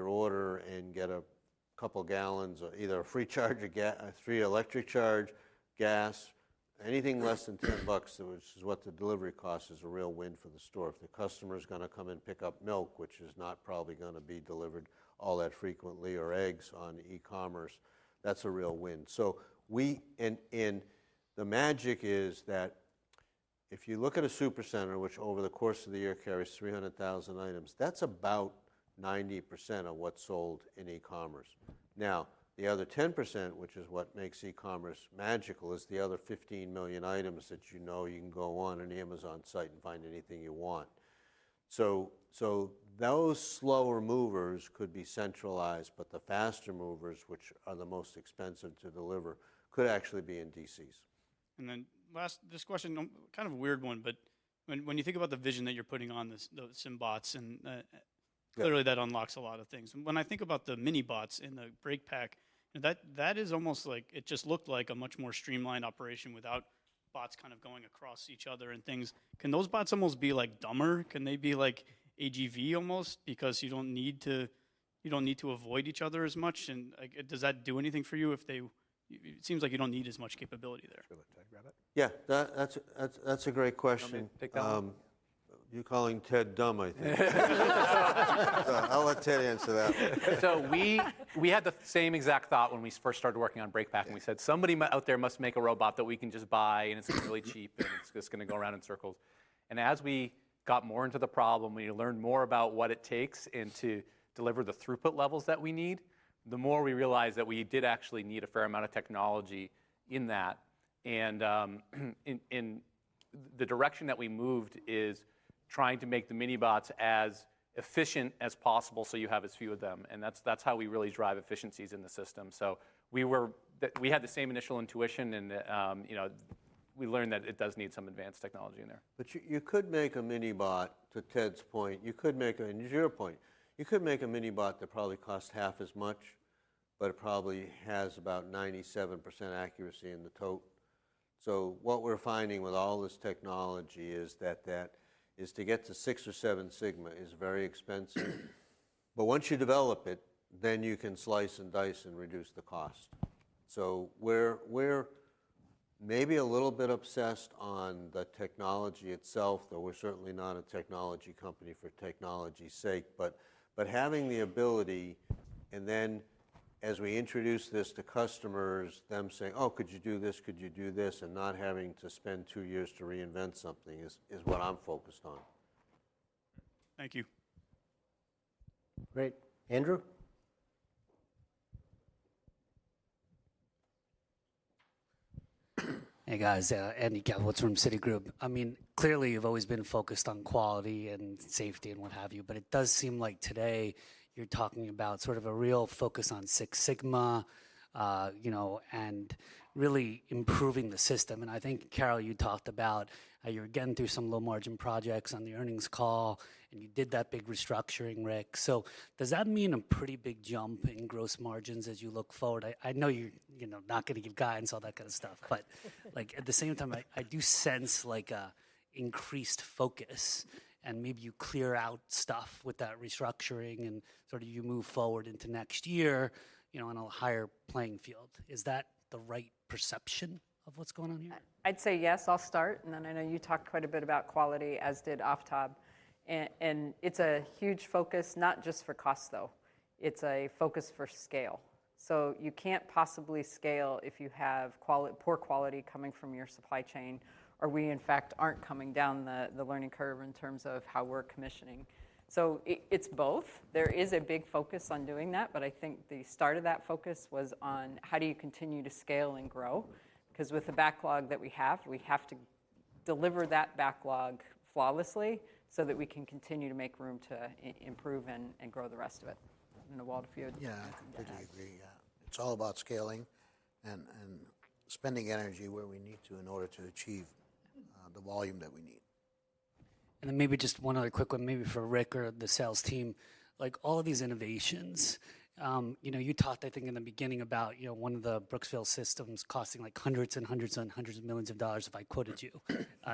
order and get a couple gallons, either a free charge or a free electric charge, gas, anything less than $10, which is what the delivery cost is, a real win for the store. If the customer's gonna come and pick up milk, which is not probably gonna be delivered all that frequently, or eggs on e-commerce, that's a real win. So, and the magic is that if you look at a supercenter, which over the course of the year carries 300,000 items, that's about 90% of what's sold in e-commerce. Now, the other 10%, which is what makes e-commerce magical, is the other 15 million items that you know you can go on an Amazon site and find anything you want. So, those slower movers could be centralized. But the faster movers, which are the most expensive to deliver, could actually be in DCs. And then last this question, kind of a weird one. But when, when you think about the vision that you're putting on this, the SymBots, and, clearly, that unlocks a lot of things. And when I think about the mini-bots in the BreakPack, you know, that, that is almost like it just looked like a much more streamlined operation without bots kind of going across each other and things. Can those bots almost be, like, dumber? Can they be, like, AGV almost because you don't need to you don't need to avoid each other as much? And, like, does that do anything for you if they it seems like you don't need as much capability there? Will Ted grab it? Yeah. That's a great question. I'm gonna pick that one. You calling Ted dumb, I think. So I'll let Ted answer that. So we had the same exact thought when we first started working on BreakPack. And we said, "Somebody out there must make a robot that we can just buy, and it's gonna be really cheap, and it's just gonna go around in circles." And as we got more into the problem, we learned more about what it takes to deliver the throughput levels that we need, the more we realized that we did actually need a fair amount of technology in that. And in the direction that we moved is trying to make the mini-bots as efficient as possible so you have as few of them. And that's how we really drive efficiencies in the system. So we had that we had the same initial intuition. And, you know, we learned that it does need some advanced technology in there. But you could make a mini-bot, to Ted's point you could make, and it's your point. You could make a mini-bot that probably costs half as much, but it probably has about 97% accuracy in the tote. So what we're finding with all this technology is that that is to get to Six or Seven Sigma is very expensive. But once you develop it, then you can slice and dice and reduce the cost. So we're maybe a little bit obsessed on the technology itself. Though we're certainly not a technology company for technology's sake. But having the ability and then, as we introduce this to customers, them saying, "Oh, could you do this? Could you do this?" and not having to spend two years to reinvent something is what I'm focused on. Thank you. Great. Andrew? Hey, guys. Andy Kaplowitz from Citigroup. I mean, clearly, you've always been focused on quality and safety and what have you. But it does seem like today, you're talking about sort of a real focus on Six Sigma, you know, and really improving the system. And I think, Carol, you talked about, you're getting through some low-margin projects on the earnings call. And you did that big restructuring, Rick. So does that mean a pretty big jump in gross margins as you look forward? I, I know you're, you know, not gonna give guidance, all that kinda stuff. But, like, at the same time, I, I do sense, like, a increased focus. And maybe you clear out stuff with that restructuring. And sort of you move forward into next year, you know, on a higher playing field. Is that the right perception of what's going on here? I'd say yes. I'll start. Then I know you talked quite a bit about quality, as did Aftab. And it's a huge focus, not just for cost, though. It's a focus for scale. So you can't possibly scale if you have poor quality coming from your supply chain, or we, in fact, aren't coming down the learning curve in terms of how we're commissioning. So it's both. There is a big focus on doing that. But I think the start of that focus was on how do you continue to scale and grow? 'Cause with the backlog that we have, we have to deliver that backlog flawlessly so that we can continue to make room to improve and grow the rest of it. I don't know, Walt, if you had. Yeah. I think I do agree. Yeah. It's all about scaling and, and spending energy where we need to in order to achieve, the volume that we need. And then maybe just one other quick one, maybe for Rick or the sales team. Like, all of these innovations, you know, you talked, I think, in the beginning about, you know, one of the Brooksville systems costing, like, hundreds and hundreds and hundreds of millions of dollars, if I quoted you.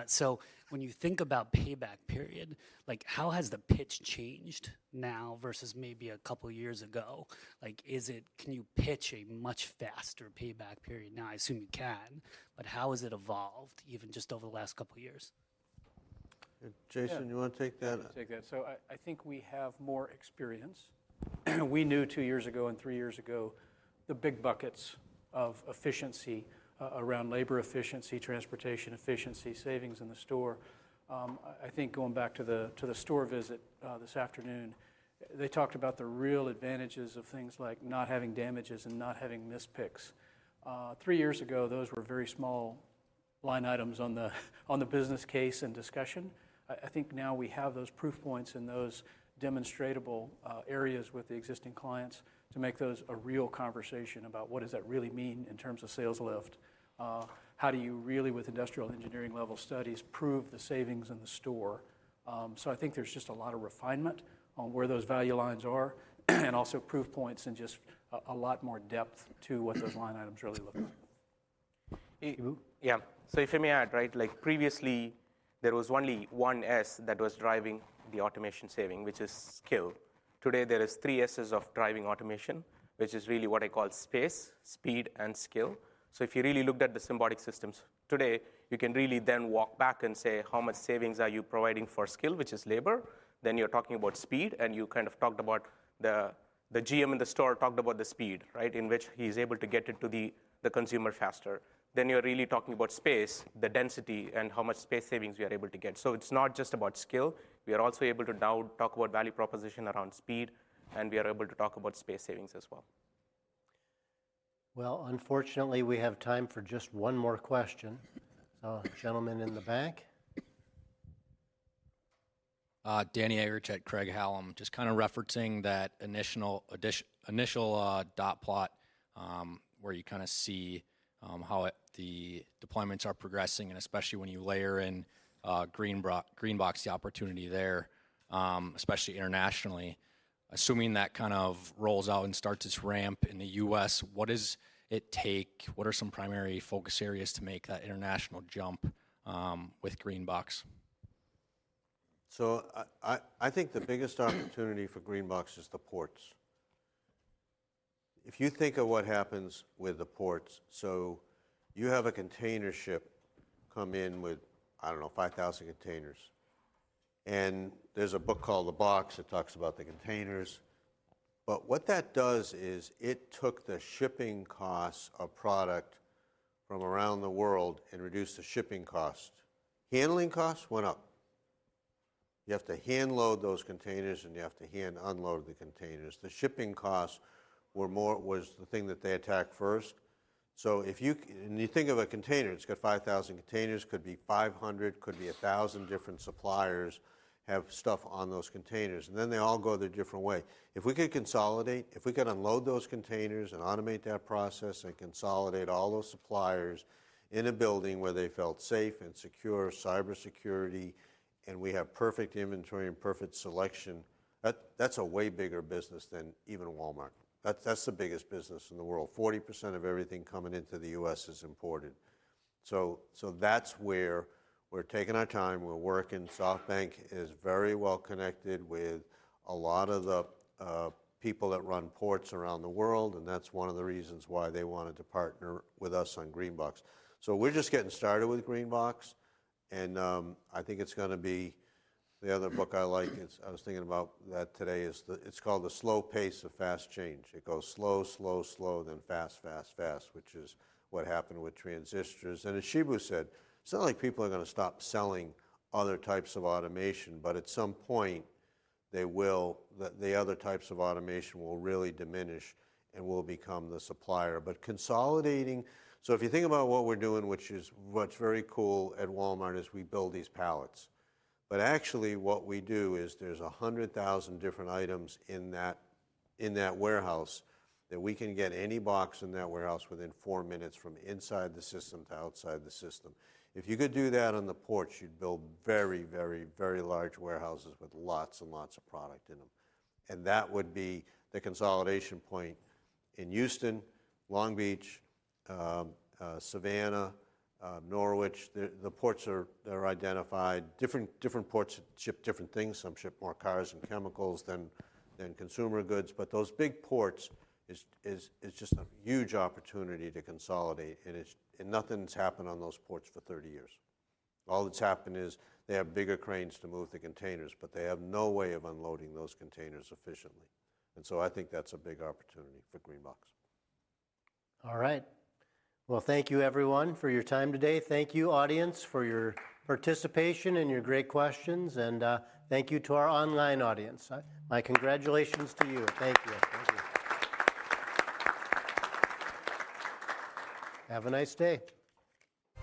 So when you think about payback period, like, how has the pitch changed now versus maybe a couple years ago? Like, is it can you pitch a much faster payback period now? I assume you can. But how has it evolved, even just over the last couple years? Jason, you wanna take that? I'll take that. So I, I think we have more experience. We knew two years ago and three years ago the big buckets of efficiency, around labor efficiency, transportation efficiency, savings in the store. I, I think going back to the to the store visit, this afternoon, they talked about the real advantages of things like not having damages and not having mispicks. Three years ago, those were very small line items on the on the business case and discussion. I, I think now, we have those proof points and those demonstrable areas with the existing clients to make those a real conversation about what does that really mean in terms of sales lift, how do you really, with industrial engineering-level studies, prove the savings in the store? So I think there's just a lot of refinement on where those value lines are and also proof points and just a lot more depth to what those line items really look like. Yeah. So if you may add, right, like, previously, there was only one S that was driving the automation saving, which is scale. Today, there is three S's of driving automation, which is really what I call space, speed, and scale. So if you really looked at the Symbotic systems today, you can really then walk back and say, "How much savings are you providing for scale," which is labor. Then you're talking about speed. And you kind of talked about the, the GM in the store talked about the speed, right, in which he's able to get it to the, the consumer faster. Then you're really talking about space, the density, and how much space savings we are able to get. So it's not just about scale. We are also able to now talk about value proposition around speed. We are able to talk about space savings as well. Well, unfortunately, we have time for just one more question. So, gentlemen in the back? Danny Eggerichs, Craig-Hallum, just kinda referencing that initial adoption initial dot plot, where you kinda see how the deployments are progressing. And especially when you layer in GreenBox, the opportunity there, especially internationally. Assuming that kind of rolls out and starts its ramp in the U.S., what does it take? What are some primary focus areas to make that international jump with GreenBox? I think the biggest opportunity for GreenBox is the ports. If you think of what happens with the ports so you have a container ship come in with, I don't know, 5,000 containers. And there's a book called The Box that talks about the containers. But what that did is it took the shipping costs of product from around the world and reduced the shipping cost. Handling costs went up. You have to hand load those containers, and you have to hand unload the containers. The shipping costs were more was the thing that they attacked first. So if you see and you think of a container. It's got 5,000 containers. Could be 500. Could be 1,000 different suppliers have stuff on those containers. And then they all go their different way. If we could consolidate if we could unload those containers and automate that process and consolidate all those suppliers in a building where they felt safe and secure, cybersecurity, and we have perfect inventory and perfect selection, that-that's a way bigger business than even Walmart. That-that's the biggest business in the world. 40% of everything coming into the U.S. is imported. So, so that's where we're taking our time. We're working. SoftBank is very well connected with a lot of the, people that run ports around the world. And that's one of the reasons why they wanted to partner with us on GreenBox. So we're just getting started with GreenBox. And, I think it's gonna be the other book I like is I was thinking about that today is the it's called The Slow Pace of Fast Change. It goes slow, slow, slow, then fast, fast, fast, which is what happened with transistors. And as Shibu said, it's not like people are gonna stop selling other types of automation. But at some point, they will, the other types of automation will really diminish and will become the supplier. But consolidating, so if you think about what we're doing, which is what's very cool at Walmart, is we build these pallets. But actually, what we do is there's 100,000 different items in that warehouse that we can get any box in that warehouse within four minutes from inside the system to outside the system. If you could do that on the ports, you'd build very, very, very large warehouses with lots and lots of product in them. And that would be the consolidation point in Houston, Long Beach, Savannah, Norwich. The ports are identified. Different ports ship different things. Some ship more cars and chemicals than consumer goods. But those big ports is just a huge opportunity to consolidate. And nothing's happened on those ports for 30 years. All that's happened is they have bigger cranes to move the containers. But they have no way of unloading those containers efficiently. And so I think that's a big opportunity for GreenBox. All right. Well, thank you, everyone, for your time today. Thank you, audience, for your participation and your great questions. Thank you to our online audience. I, my congratulations to you. Thank you. Thank you. Have a nice day.